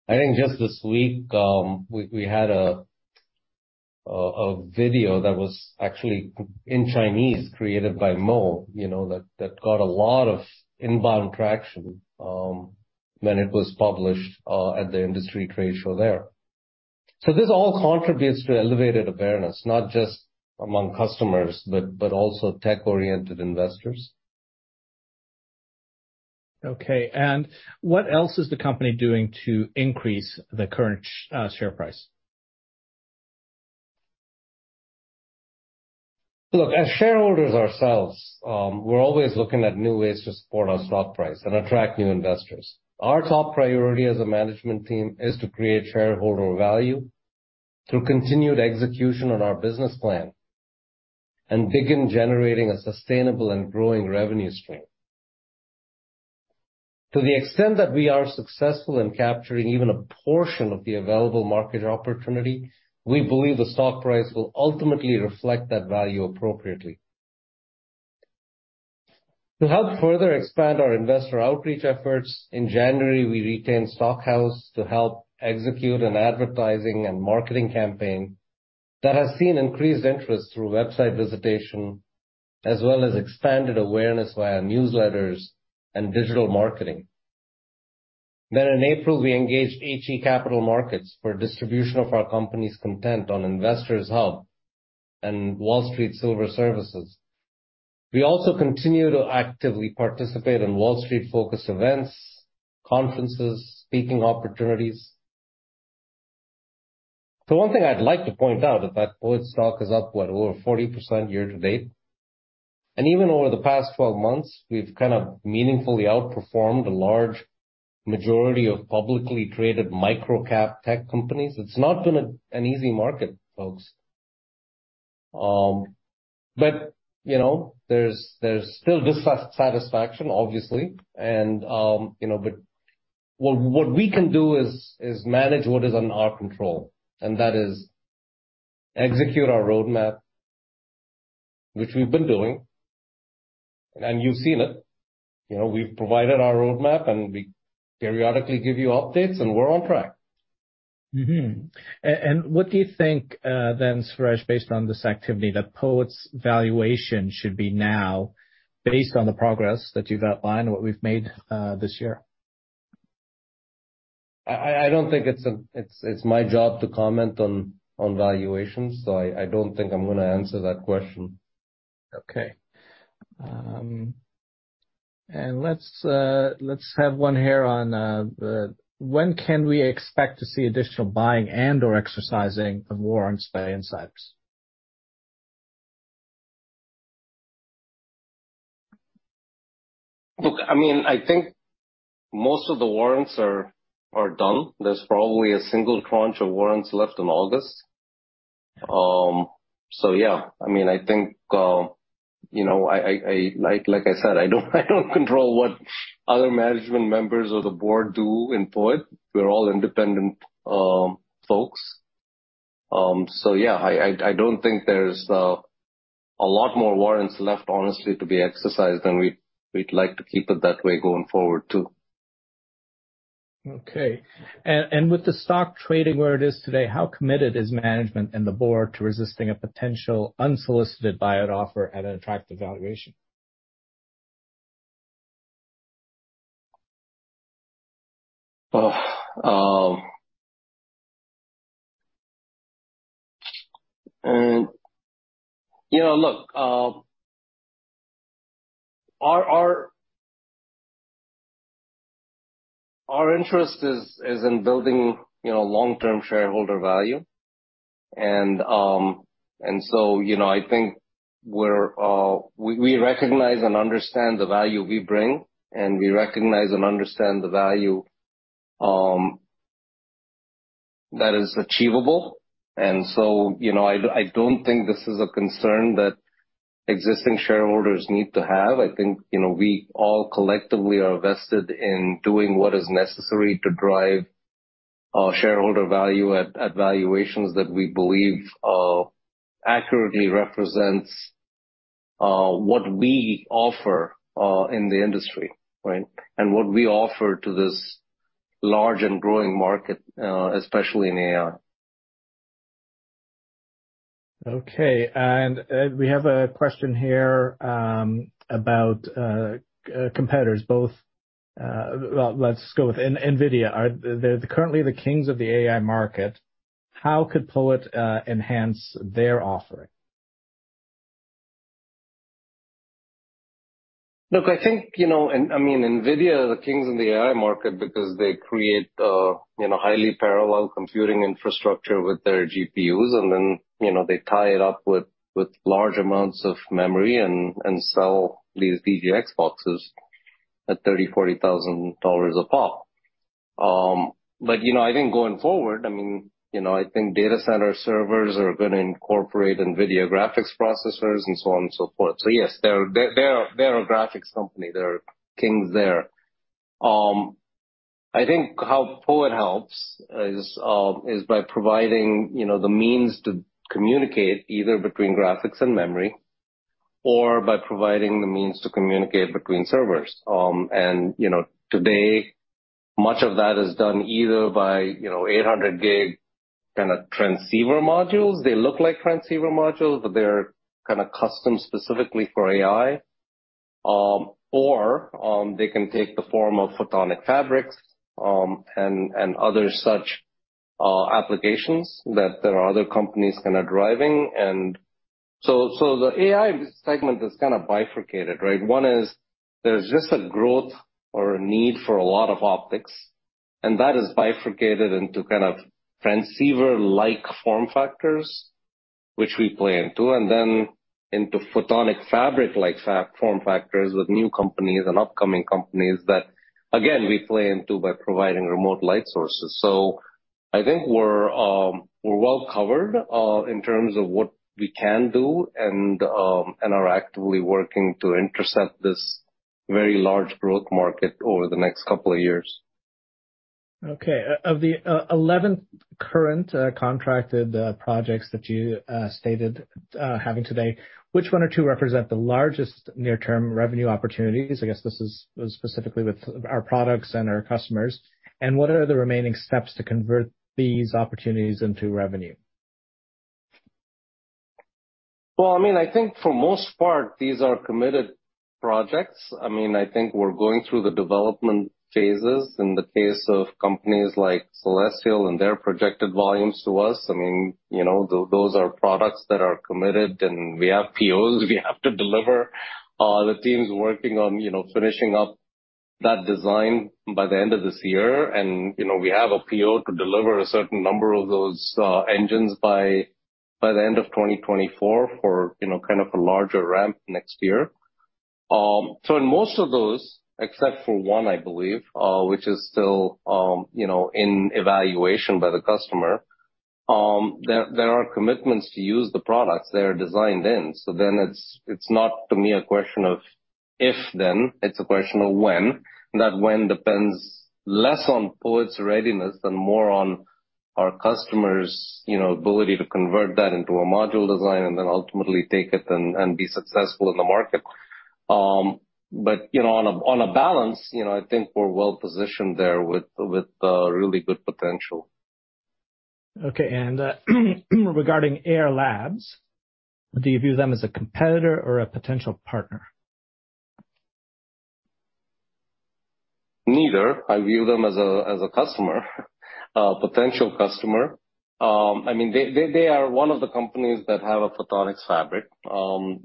I think just this week, we had a video that was actually in Chinese, created by Mo, that got a lot of inbound traction when it was published at the industry trade show there. This all contributes to elevated awareness, not just among customers, but also tech-oriented investors. Okay. What else is the company doing to increase the current share price? Look, as shareholders ourselves, we're always looking at new ways to support our stock price and attract new investors. Our top priority as a management team is to create shareholder value through continued execution on our business plan and begin generating a sustainable and growing revenue stream. To the extent that we are successful in capturing even a portion of the available market opportunity, we believe the stock price will ultimately reflect that value appropriately. To help further expand our investor outreach efforts, in January, we retained Stockhouse to help execute an advertising and marketing campaign that has seen increased interest through website visitation as well as expanded awareness via newsletters and digital marketing. In April, we engaged HE Capital Markets for distribution of our company's content on InvestorsHub and Wall Street Silver Services. We also continue to actively participate in Wall Street-focused events, conferences, speaking opportunities. The one thing I'd like to point out is that POET stock is up, what, over 40% year to date. Even over the past 12 months, we've kind of meaningfully outperformed a large majority of publicly traded micro-cap tech companies. It's not been an easy market, folks. There's still dissatisfaction, obviously. What we can do is manage what is in our control, and that is execute our roadmap, which we've been doing, and you've seen it. We've provided our roadmap, and we periodically give you updates, and we're on track. What do you think, then, Suresh, based on this activity, that POET's valuation should be now based on the progress that you've outlined and what we've made this year? I don't think it's my job to comment on valuation, so I don't think I'm going to answer that question. Okay. Let's have one here on when can we expect to see additional buying and/or exercising of warrants by insiders? Look, I think most of the warrants are done. There's probably a single tranche of warrants left in August. Yeah. Like I said, I don't control what other management members of the board do in POET. We're all independent folks. Yeah, I don't think there's a lot more warrants left, honestly, to be exercised than we'd like to keep it that way going forward, too. Okay. With the stock trading where it is today, how committed is management and the board to resisting a potential unsolicited buyout offer at an attractive valuation? Look, our interest is in building long-term shareholder value. I think we recognize and understand the value we bring, and we recognize and understand the value that is achievable. I don't think this is a concern that existing shareholders need to have. I think we all collectively are vested in doing what is necessary to drive shareholder value at valuations that we believe accurately represents what we offer in the industry, right? What we offer to this large and growing market, especially in AI. Okay. We have a question here about competitors, both. Well, let's go with NVIDIA. They're currently the kings of the AI market. How could POET enhance their offering? Look, I think NVIDIA are the kings of the AI market because they create highly parallel computing infrastructure with their GPUs. They tie it up with large amounts of memory and sell these DGX boxes at $30,000-$40,000 a pop. I think going forward, data center servers are going to incorporate NVIDIA graphics processors and so on and so forth. Yes, they're a graphics company. They are kings there. I think how POET helps is by providing the means to communicate either between graphics and memory or by providing the means to communicate between servers. Today, much of that is done either by 800 Gb transceiver modules. They look like transceiver modules, but they're custom specifically for AI. They can take the form of photonic fabrics, and other such applications that there are other companies driving. The AI segment is kind of bifurcated, right? One is there's just a growth or a need for a lot of optics, and that is bifurcated into kind of transceiver-like form factors, which we play into, and then into photonic fabric like form factors with new companies and upcoming companies that, again, we play into by providing remote light sources. I think we're well-covered in terms of what we can do and are actively working to intercept this very large growth market over the next couple of years. Okay. Of the 11 current contracted projects that you stated having today, which one or two represent the largest near-term revenue opportunities? I guess this is specifically with our products and our customers. What are the remaining steps to convert these opportunities into revenue? Well, I think for most part, these are committed projects. I think we're going through the development phases in the case of companies like Celestial and their projected volumes to us. Those are products that are committed, and we have POs we have to deliver. The team's working on finishing up that design by the end of this year. We have a PO to deliver a certain number of those engines by the end of 2024 for a larger ramp next year. In most of those, except for one, I believe, which is still in evaluation by the customer, there are commitments to use the products they are designed in. It's not, to me, a question of if, then, it's a question of when. That, when depends less on POET's readiness and more on our customers' ability to convert that into a module design and then ultimately take it and be successful in the market. On balance, I think we're well positioned there with really good potential. Okay, regarding Ayar Labs, do you view them as a competitor or a potential partner? Neither. I view them as a customer, a potential customer. They are one of the companies that have a Photonic Fabric.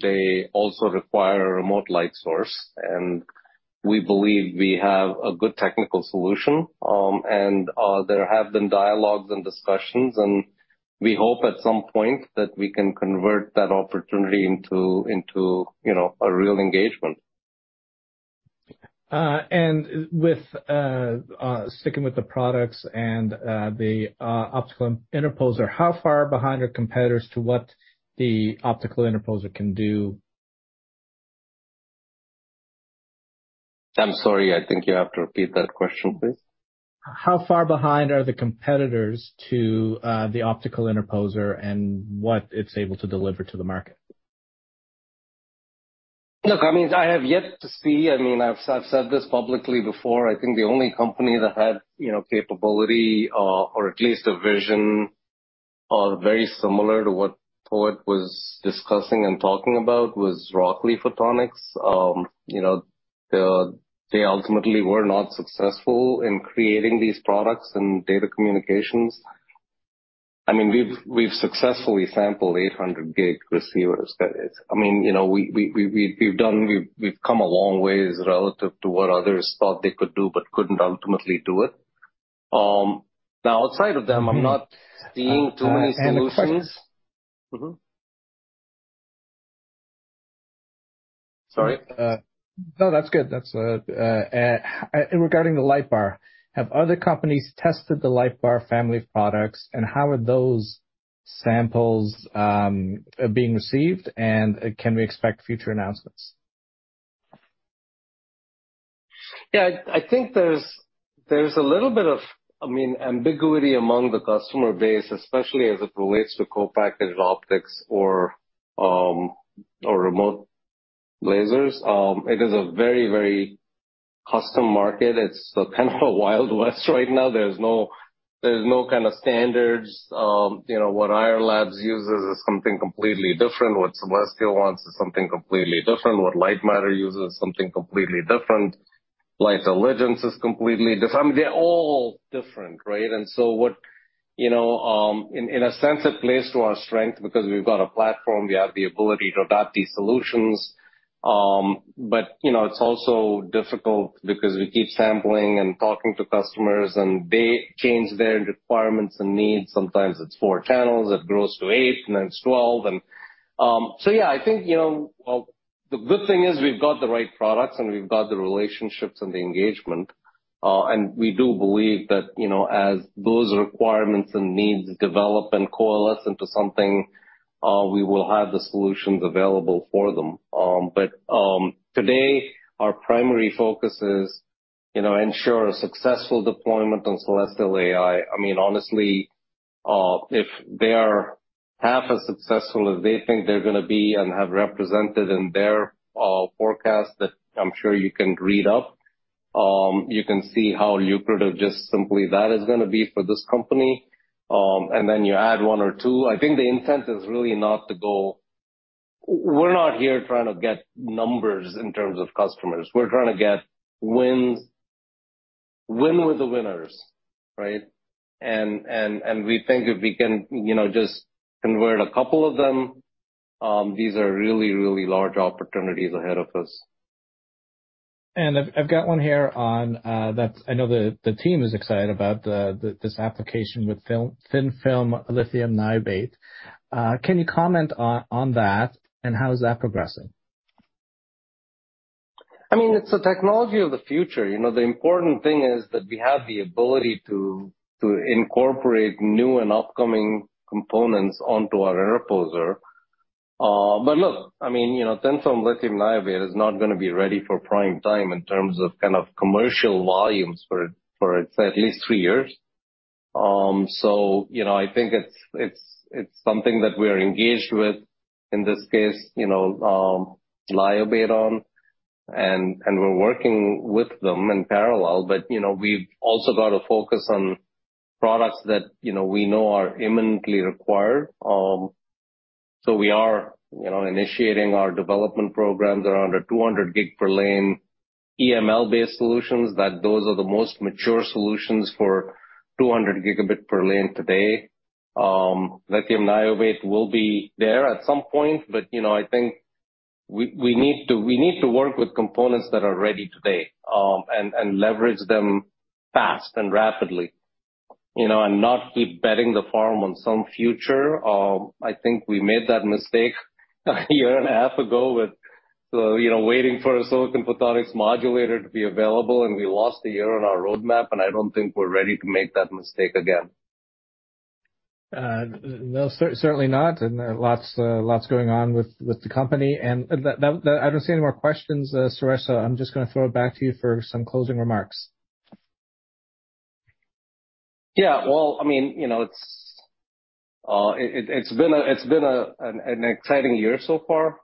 They also require a remote light source, and we believe we have a good technical solution. There have been dialogues and discussions, and we hope at some point that we can convert that opportunity into a real engagement. Sticking with the products and the optical interposer, how far behind are competitors to what the optical interposer can do? I'm sorry. I think you have to repeat that question, please. How far behind are the competitors to the Optical Interposer and what it's able to deliver to the market? Look, I have yet to see. I've said this publicly before. I think the only company that had capability or at least a vision very similar to what POET was discussing and talking about was Rockley Photonics. They ultimately were not successful in creating these products and data communications. We've successfully sampled 800 Gb receivers. We've come a long ways relative to what others thought they could do, but couldn't ultimately do it. Now, outside of them, I'm not seeing too many solutions. Sorry. No, that's good. Regarding the LightBar, have other companies tested the LightBar family of products, and how are those samples being received, and can we expect future announcements? Yeah. I think there's a little bit of ambiguity among the customer base, especially as it relates to co-packaged optics or remote lasers. It is a very custom market. It's kind of a wild west right now. There's no kind of standards. What Ayar Labs uses is something completely different. What Celestial AI wants is something completely different. What Lightmatter uses, something completely different. Lightelligence is completely different. They're all different, right? In a sense, it plays to our strength because we've got a platform. We have the ability to adopt these solutions. But it's also difficult because we keep sampling and talking to customers, and they change their requirements and needs. Sometimes it's four channels. It grows to eight, and then it's 12. Yeah, I think the good thing is we've got the right products and we've got the relationships and the engagement. We do believe that, as those requirements and needs develop and coalesce into something, we will have the solutions available for them. Today, our primary focus is to ensure a successful deployment on Celestial AI. Honestly, if they are half as successful as they think they're going to be and have represented in their forecast that I'm sure you can read up, you can see how lucrative just simply that is going to be for this company. Then you add one or two. I think the intent is really not to go. We're not here trying to get numbers in terms of customers. We're trying to get wins. Win with the winners, right? We think if we can just convert a couple of them, these are really, really large opportunities ahead of us. I've got one here on that I know the team is excited about this application with thin-film lithium niobate. Can you comment on that, and how is that progressing? It's a technology of the future. The important thing is that we have the ability to incorporate new and upcoming components onto our Interposer. Look, thin-film lithium niobate is not going to be ready for prime time in terms of commercial volumes for at least three years. I think it's something that we're engaged with, in this case, lithium niobate on insulator, and we're working with them in parallel. We've also got to focus on products that we know are imminently required. We are initiating our development programs around our 200 Gb per lane EML-based solutions, that those are the most mature solutions for 200 Gb per lane today. Lithium niobate will be there at some point, but I think we need to work with components that are ready today, and leverage them fast and rapidly, and not keep betting the farm on some future. I think we made that mistake a year and a half ago with waiting for a silicon photonics modulator to be available, and we lost a year on our roadmap, and I don't think we're ready to make that mistake again. No, certainly not. Lots going on with the company. I don't see any more questions, Suresh, so I'm just going to throw it back to you for some closing remarks. Yeah. Well, it's been an exciting year so far.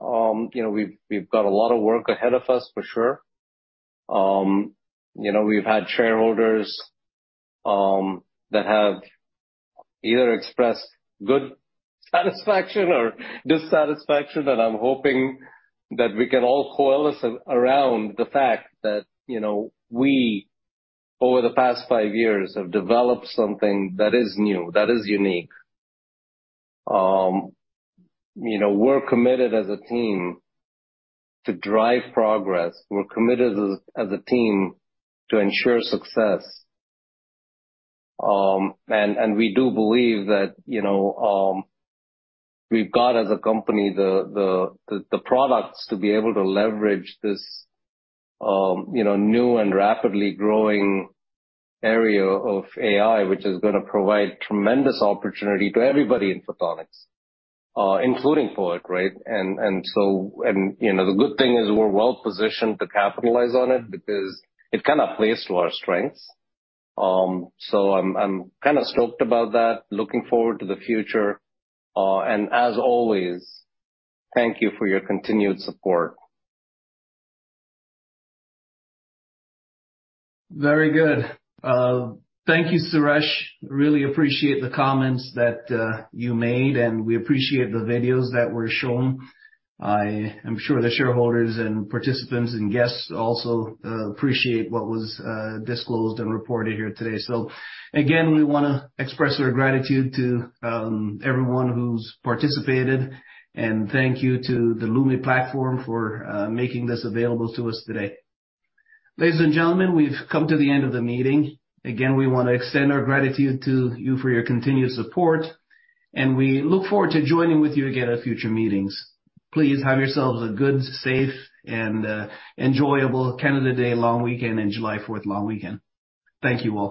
We've got a lot of work ahead of us, for sure. We've had shareholders that have either expressed good satisfaction or dissatisfaction, that I'm hoping that we can all coalesce around the fact that we, over the past five years, have developed something that is new, that is unique. We're committed as a team to drive progress. We're committed as a team to ensure success. We do believe that we've got as a company the products to be able to leverage this new and rapidly growing area of AI, which is going to provide tremendous opportunity to everybody in photonics, including POET, right? The good thing is we're well positioned to capitalize on it because it kind of plays to our strengths. I'm kind of stoked about that, looking forward to the future. As always, thank you for your continued support. Very good. Thank you, Suresh. Really appreciate the comments that you made, and we appreciate the videos that were shown. I am sure the shareholders and participants and guests also appreciate what was disclosed and reported here today. We want to express our gratitude to everyone who's participated, and thank you to the Lumi platform for making this available to us today. Ladies and gentlemen, we've come to the end of the meeting. We want to extend our gratitude to you for your continued support, and we look forward to joining with you again at future meetings. Please have yourselves a good, safe, and enjoyable Canada Day long weekend and July 4th long weekend. Thank you all.